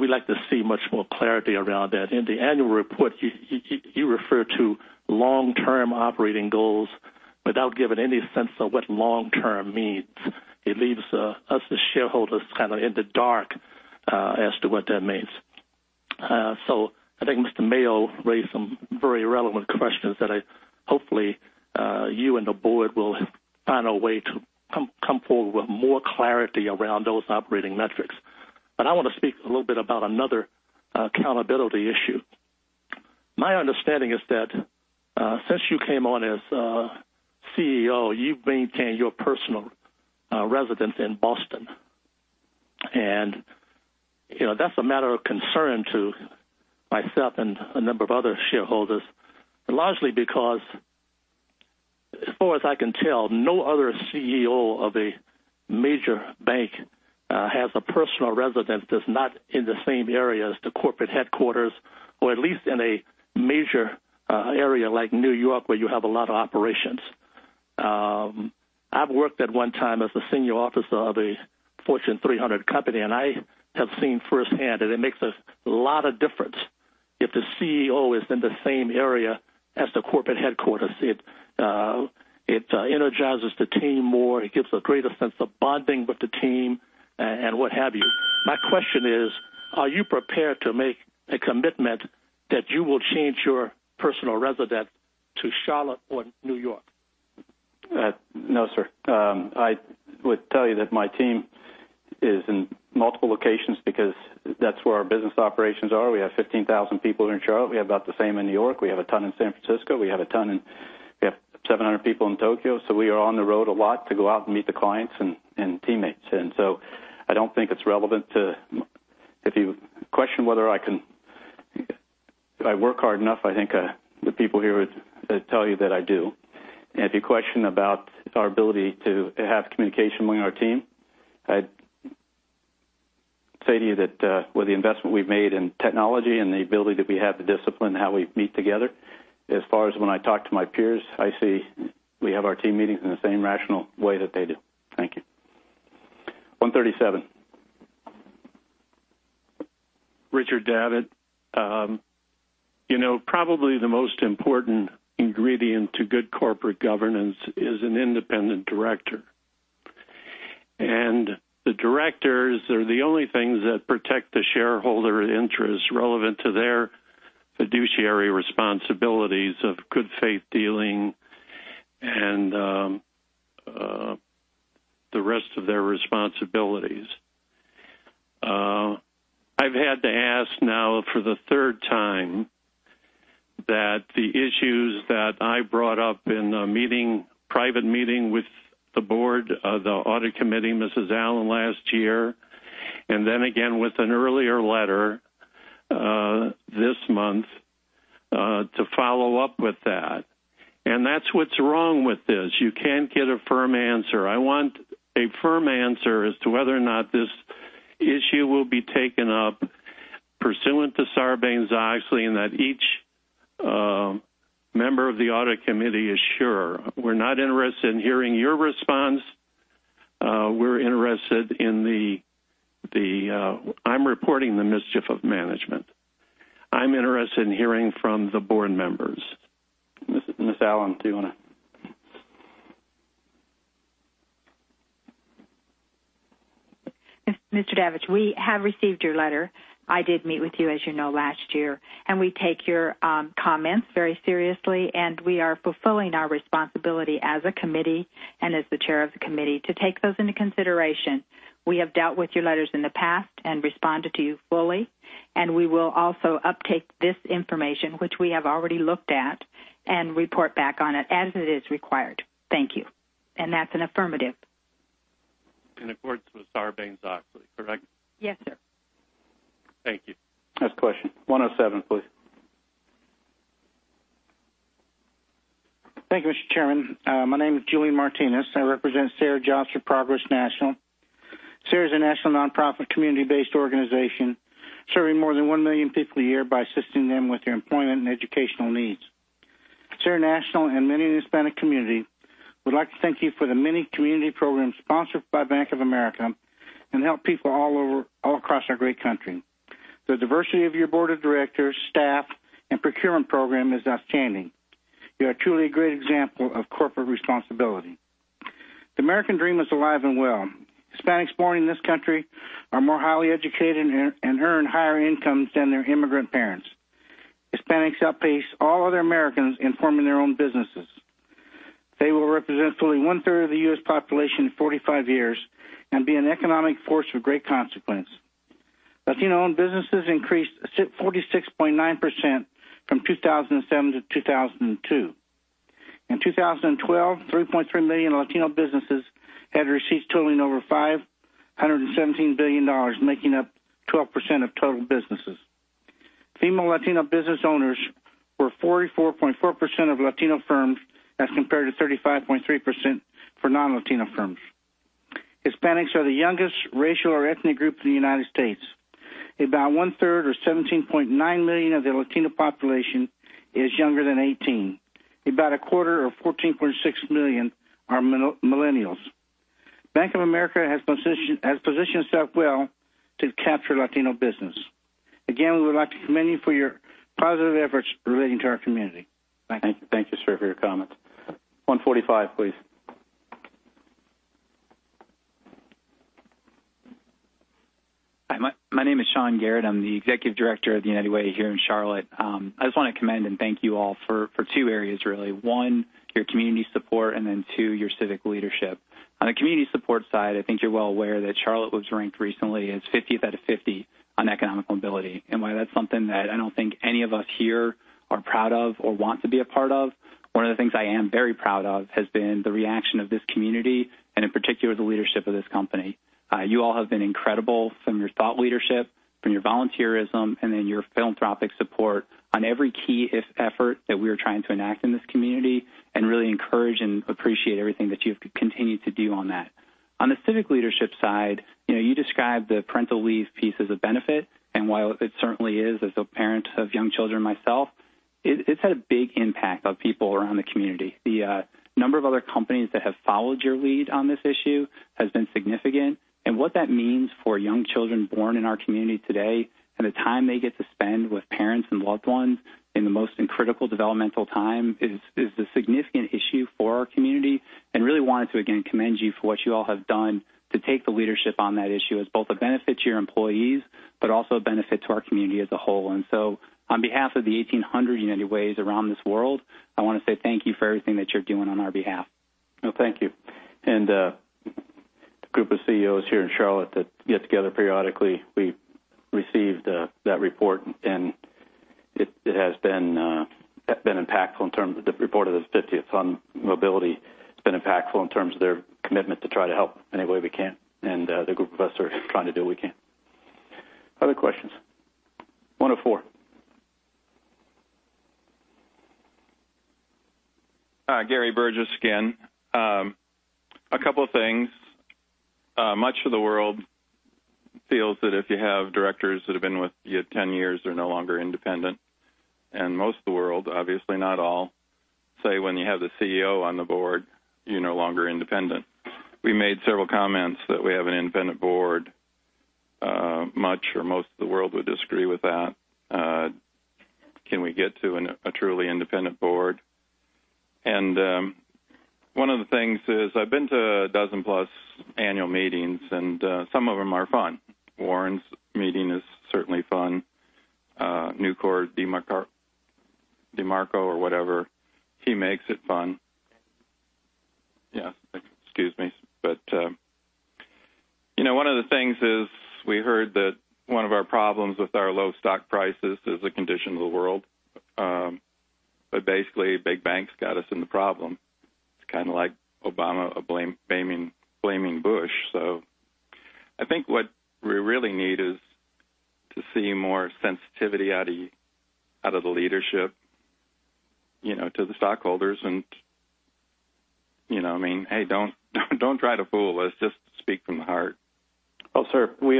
we'd like to see much more clarity around that. In the annual report, you refer to long-term operating goals without giving any sense of what long-term means. It leaves us, as shareholders, kind of in the dark as to what that means. I think Mr. Mayo raised some very relevant questions that hopefully you and the board will find a way to come forward with more clarity around those operating metrics. I want to speak a little bit about another accountability issue. My understanding is that since you came on as CEO, you've maintained your personal residence in Boston. That's a matter of concern to myself and a number of other shareholders, largely because, as far as I can tell, no other CEO of a major bank has a personal residence that's not in the same area as the corporate headquarters, or at least in a major area like New York, where you have a lot of operations. I've worked at one time as a senior officer of a Fortune 300 company. I have seen firsthand that it makes a lot of difference if the CEO is in the same area as the corporate headquarters. It energizes the team more. It gives a greater sense of bonding with the team and what have you. My question is, are you prepared to make a commitment that you will change your personal residence to Charlotte or New York? No, sir. I would tell you that my team is in multiple locations because that's where our business operations are. We have 15,000 people here in Charlotte. We have about the same in New York. We have a ton in San Francisco. We have 700 people in Tokyo. We are on the road a lot to go out and meet the clients and teammates. I don't think it's relevant to If you question whether I work hard enough, I think the people here would tell you that I do. If you question about our ability to have communication within our team, I'd say to you that with the investment we've made in technology and the ability that we have to discipline how we meet together, as far as when I talk to my peers, I say we have our team meetings in the same rational way that they do. Thank you. 137. Richard Davitt. Probably the most important ingredient to good corporate governance is an independent director. The directors are the only things that protect the shareholder interest relevant to their fiduciary responsibilities of good faith dealing and the rest of their responsibilities. I've had to ask now for the third time that the issues that I brought up in a private meeting with the board, the audit committee, Mrs. Allen, last year, and then again with an earlier letter this month to follow up with that. That's what's wrong with this. You can't get a firm answer. I want a firm answer as to whether or not this issue will be taken up pursuant to Sarbanes-Oxley and that each member of the audit committee is sure. We're not interested in hearing your response. I'm reporting the mischief of management. I'm interested in hearing from the board members. Miss Allen, do you want to? Mr. Davitt, we have received your letter. I did meet with you, as you know, last year. We take your comments very seriously, and we are fulfilling our responsibility as a committee and as the chair of the committee to take those into consideration. We have dealt with your letters in the past and responded to you fully, and we will also uptake this information, which we have already looked at, and report back on it as it is required. Thank you. That's an affirmative. In accordance with Sarbanes-Oxley, correct? Yes, sir. Thank you. Next question. 107, please. Thank you, Mr. Chairman. My name is Julian Martinez. I represent SER Jobs for Progress National. SER is a national nonprofit community-based organization serving more than 1 million people a year by assisting them with their employment and educational needs. SER National and many in the Hispanic community would like to thank you for the many community programs sponsored by Bank of America and help people all across our great country. The diversity of your board of directors, staff, and procurement program is outstanding. You are truly a great example of corporate responsibility. The American dream is alive and well. Hispanics born in this country are more highly educated and earn higher incomes than their immigrant parents. Hispanics outpace all other Americans in forming their own businesses. They will represent fully one-third of the U.S. population in 45 years and be an economic force of great consequence. Latino-owned businesses increased 46.9% from 2007 to 2002. In 2012, 3.3 million Latino businesses had receipts totaling over $517 billion, making up 12% of total businesses. Female Latino business owners were 44.4% of Latino firms as compared to 35.3% for non-Latino firms. Hispanics are the youngest racial or ethnic group in the U.S. About one-third or 17.9 million of the Latino population is younger than 18. About a quarter or 14.6 million are millennials. Bank of America has positioned itself well to capture Latino business. Again, we would like to commend you for your positive efforts relating to our community. Thank you. Thank you, sir, for your comments. 145, please. Hi. My name is Sean Garrett. I am the Executive Director of the United Way here in Charlotte. I just want to commend and thank you all for two areas really. One, your community support, then two, your civic leadership. On the community support side, I think you are well aware that Charlotte was ranked recently as fiftieth out of 50 on economic mobility. While that is something that I don't think any of us here are proud of or want to be a part of, one of the things I am very proud of has been the reaction of this community, in particular, the leadership of this company. You all have been incredible from your thought leadership, from your volunteerism, then your philanthropic support on every key effort that we are trying to enact in this community and really encourage and appreciate everything that you have continued to do on that. On the civic leadership side, you described the parental leave piece as a benefit. While it certainly is, as a parent of young children myself, it has had a big impact on people around the community. The number of other companies that have followed your lead on this issue has been significant. What that means for young children born in our community today and the time they get to spend with parents and loved ones in the most critical developmental time is a significant issue for our community, really wanted to, again, commend you for what you all have done to take the leadership on that issue as both a benefit to your employees, also a benefit to our community as a whole. On behalf of the 1,800 United Ways around this world, I want to say thank you for everything that you are doing on our behalf. Well, thank you. The group of CEOs here in Charlotte that get together periodically, we received that report, and it has been impactful in terms of the report of the 50th on mobility. It has been impactful in terms of their commitment to try to help any way we can. The group of us are trying to do what we can. Other questions? One-oh-four. Gary Burgess again. A couple of things. Much of the world feels that if you have directors that have been with you 10 years, they're no longer independent. Most of the world, obviously not all, say when you have the CEO on the board, you're no longer independent. We made several comments that we have an independent board. Much or most of the world would disagree with that. Can we get to a truly independent board? One of the things is, I've been to a dozen-plus annual meetings, and some of them are fun. Warren's meeting is certainly fun. Nucor, DiMicco or whatever, he makes it fun. Yeah. Excuse me. One of the things is we heard that one of our problems with our low stock prices is a condition of the world. Basically, big banks got us in the problem. It's kind of like Obama blaming Bush. I think what we really need is to see more sensitivity out of the leadership to the stockholders. I mean, hey, don't try to fool us. Just speak from the heart. Well, sir, we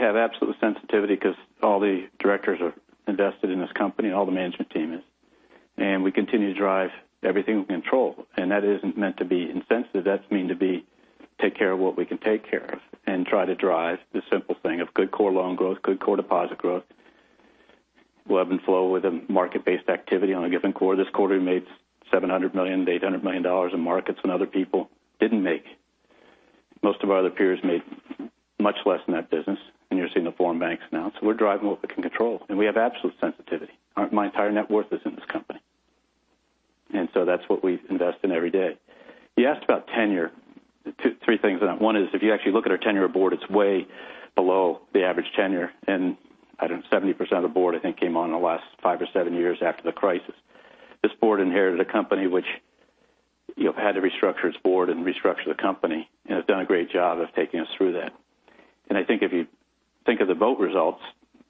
have absolute sensitivity because all the directors are invested in this company, all the management team is. We continue to drive everything we control. That isn't meant to be insensitive. That's meant to be take care of what we can take care of and try to drive the simple thing of good core loan growth, good core deposit growth ebb and flow with a market-based activity on a given quarter. This quarter, we made $700 million-$800 million in markets when other people didn't make. Most of our other peers made much less than that business, and you're seeing the foreign banks now. We're driving what we can control, and we have absolute sensitivity. My entire net worth is in this company. That's what we invest in every day. You asked about tenure. Three things on that. One is, if you actually look at our tenure aboard, it's way below the average tenure. I don't know, 70% of the board, I think, came on in the last five or seven years after the crisis. This board inherited a company which had to restructure its board and restructure the company and has done a great job of taking us through that. I think if you think of the vote results,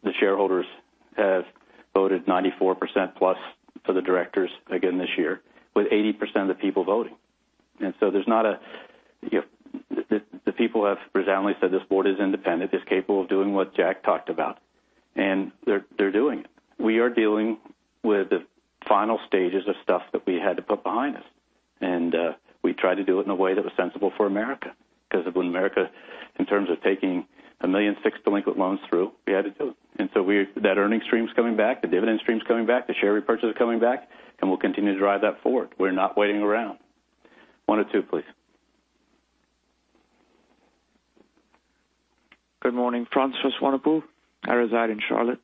the shareholders have voted 94% plus for the directors again this year, with 80% of the people voting. The people have resoundingly said this board is independent, it's capable of doing what Jack talked about, and they're doing it. We are dealing with the final stages of stuff that we had to put behind us. We tried to do it in a way that was sensible for America because if it wasn't America, in terms of taking 1 million fixed delinquent loans through, we had to do it. That earning stream's coming back, the dividend stream's coming back, the share repurchase is coming back, and we'll continue to drive that forward. We're not waiting around. One or two, please. Good morning. Francis Wanapu. I reside in Charlotte.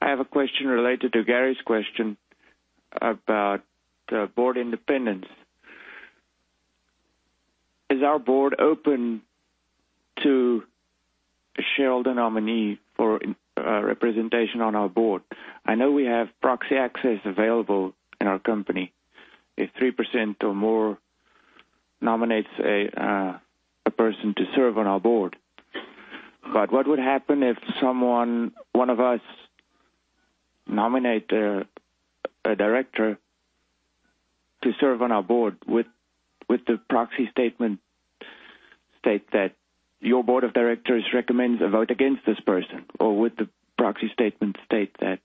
I have a question related to Gary's question about the board independence. Is our board open to shareholder nominee for representation on our board? I know we have proxy access available in our company if 3% or more nominates a person to serve on our board. What would happen if someone, one of us nominate a director to serve on our board with the proxy statement state that your board of directors recommends a vote against this person, or would the proxy statement state that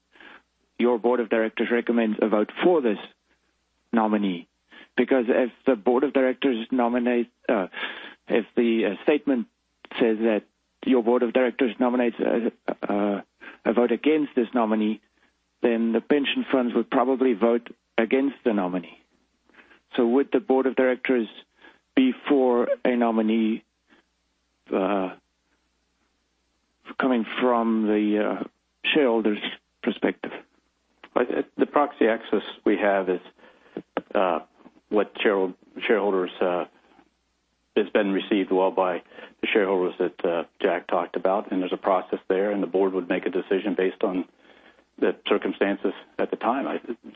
your board of directors recommends a vote for this nominee? If the statement says that your board of directors nominates a vote against this nominee, then the pension funds would probably vote against the nominee. Would the board of directors be for a nominee coming from the shareholder's perspective? The proxy access we have has been received well by the shareholders that Jack talked about. There's a process there, the board would make a decision based on the circumstances at the time.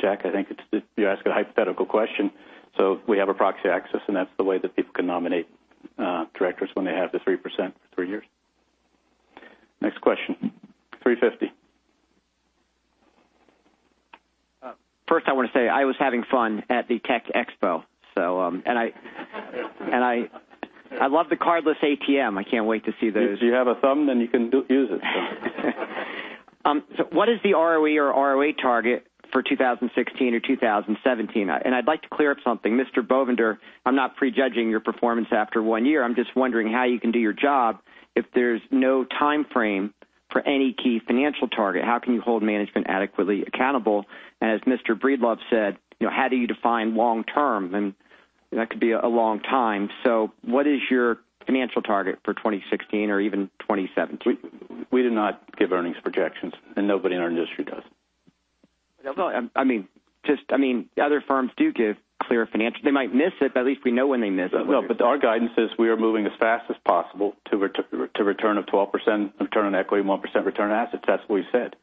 Jack, I think you're asking a hypothetical question. We have a proxy access, that's the way that people can nominate directors when they have the 3% for three years. Next question, 350. First, I want to say I was having fun at the Tech Expo. I love the cardless ATM. I can't wait to see those. If you have a thumb, you can use it. What is the ROE or ROA target for 2016 or 2017? I'd like to clear up something, Mr. Bovender, I'm not pre-judging your performance after one year. I'm just wondering how you can do your job if there's no timeframe for any key financial target. How can you hold management adequately accountable? As Mr. Breedlove said, how do you define long-term? That could be a long time. What is your financial target for 2016 or even 2017? We do not give earnings projections, nobody in our industry does. No, I mean, other firms do give clear financial. They might miss it, but at least we know when they miss it. Our guidance is we are moving as fast as possible to return of 12% return on equity and 1% return on assets. That is what we have said.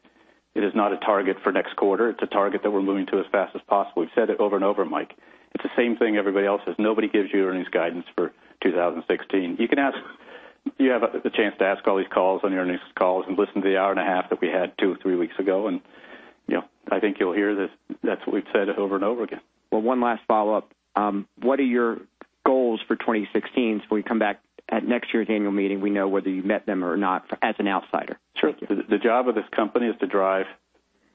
It is not a target for next quarter. It is a target that we are moving to as fast as possible. We have said it over and over, Mike. It is the same thing everybody else says. Nobody gives you earnings guidance for 2016. You have the chance to ask all these calls on the earnings calls and listen to the hour and a half that we had two or three weeks ago, and I think you will hear that is what we have said over and over again. One last follow-up. What are your goals for 2016 so when we come back at next year's annual meeting, we know whether you met them or not as an outsider? Sure. The job of this company is to drive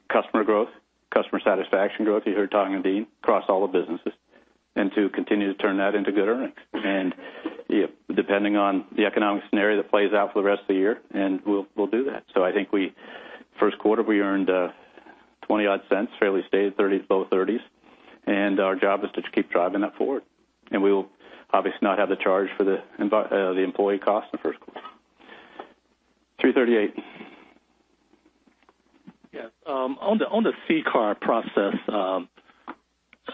customer growth, customer satisfaction growth. You heard Thong and Dean across all the businesses, to continue to turn that into good earnings. Depending on the economic scenario that plays out for the rest of the year, we will do that. I think first quarter, we earned $0.20, fairly stated thirties, low thirties. Our job is to keep driving that forward. We will obviously not have the charge for the employee cost in the first quarter. 338. Yes. On the CCAR process,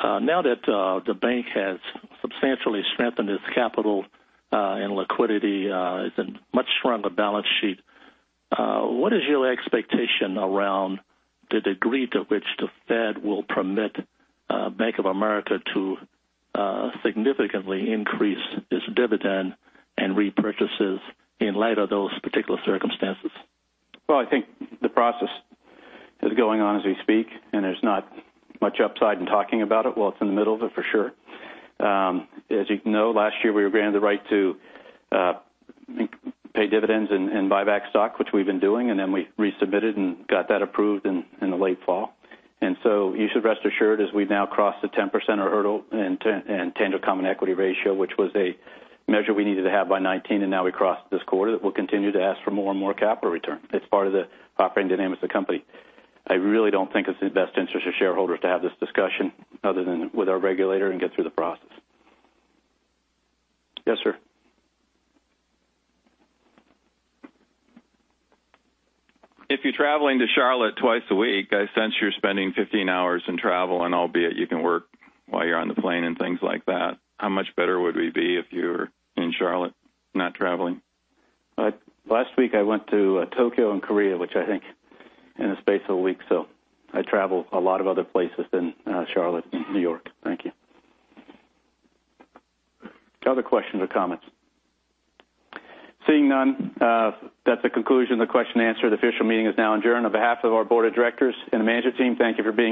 now that the bank has substantially strengthened its capital and liquidity, it is a much stronger balance sheet. What is your expectation around the degree to which the Fed will permit Bank of America to significantly increase its dividend and repurchases in light of those particular circumstances? I think the process is going on as we speak, there's not much upside in talking about it while it's in the middle of it, for sure. As you know, last year, we were granted the right to pay dividends and buy back stock, which we've been doing, we resubmitted and got that approved in the late fall. You should rest assured, as we've now crossed the 10% hurdle and tangible common equity ratio, which was a measure we needed to have by 2019, we crossed this quarter, that we'll continue to ask for more and more capital return. It's part of the operating dynamic of the company. I really don't think it's in the best interest of shareholders to have this discussion other than with our regulator and get through the process. Yes, sir. If you're traveling to Charlotte twice a week, I sense you're spending 15 hours in travel, albeit you can work while you're on the plane and things like that. How much better would we be if you were in Charlotte, not traveling? Last week, I went to Tokyo and Korea, which I think in the space of a week. I travel a lot of other places than Charlotte and New York. Thank you. Other questions or comments? Seeing none, that's the conclusion of the question and answer. The official meeting is now adjourned. On behalf of our board of directors and the management team, thank you for being here.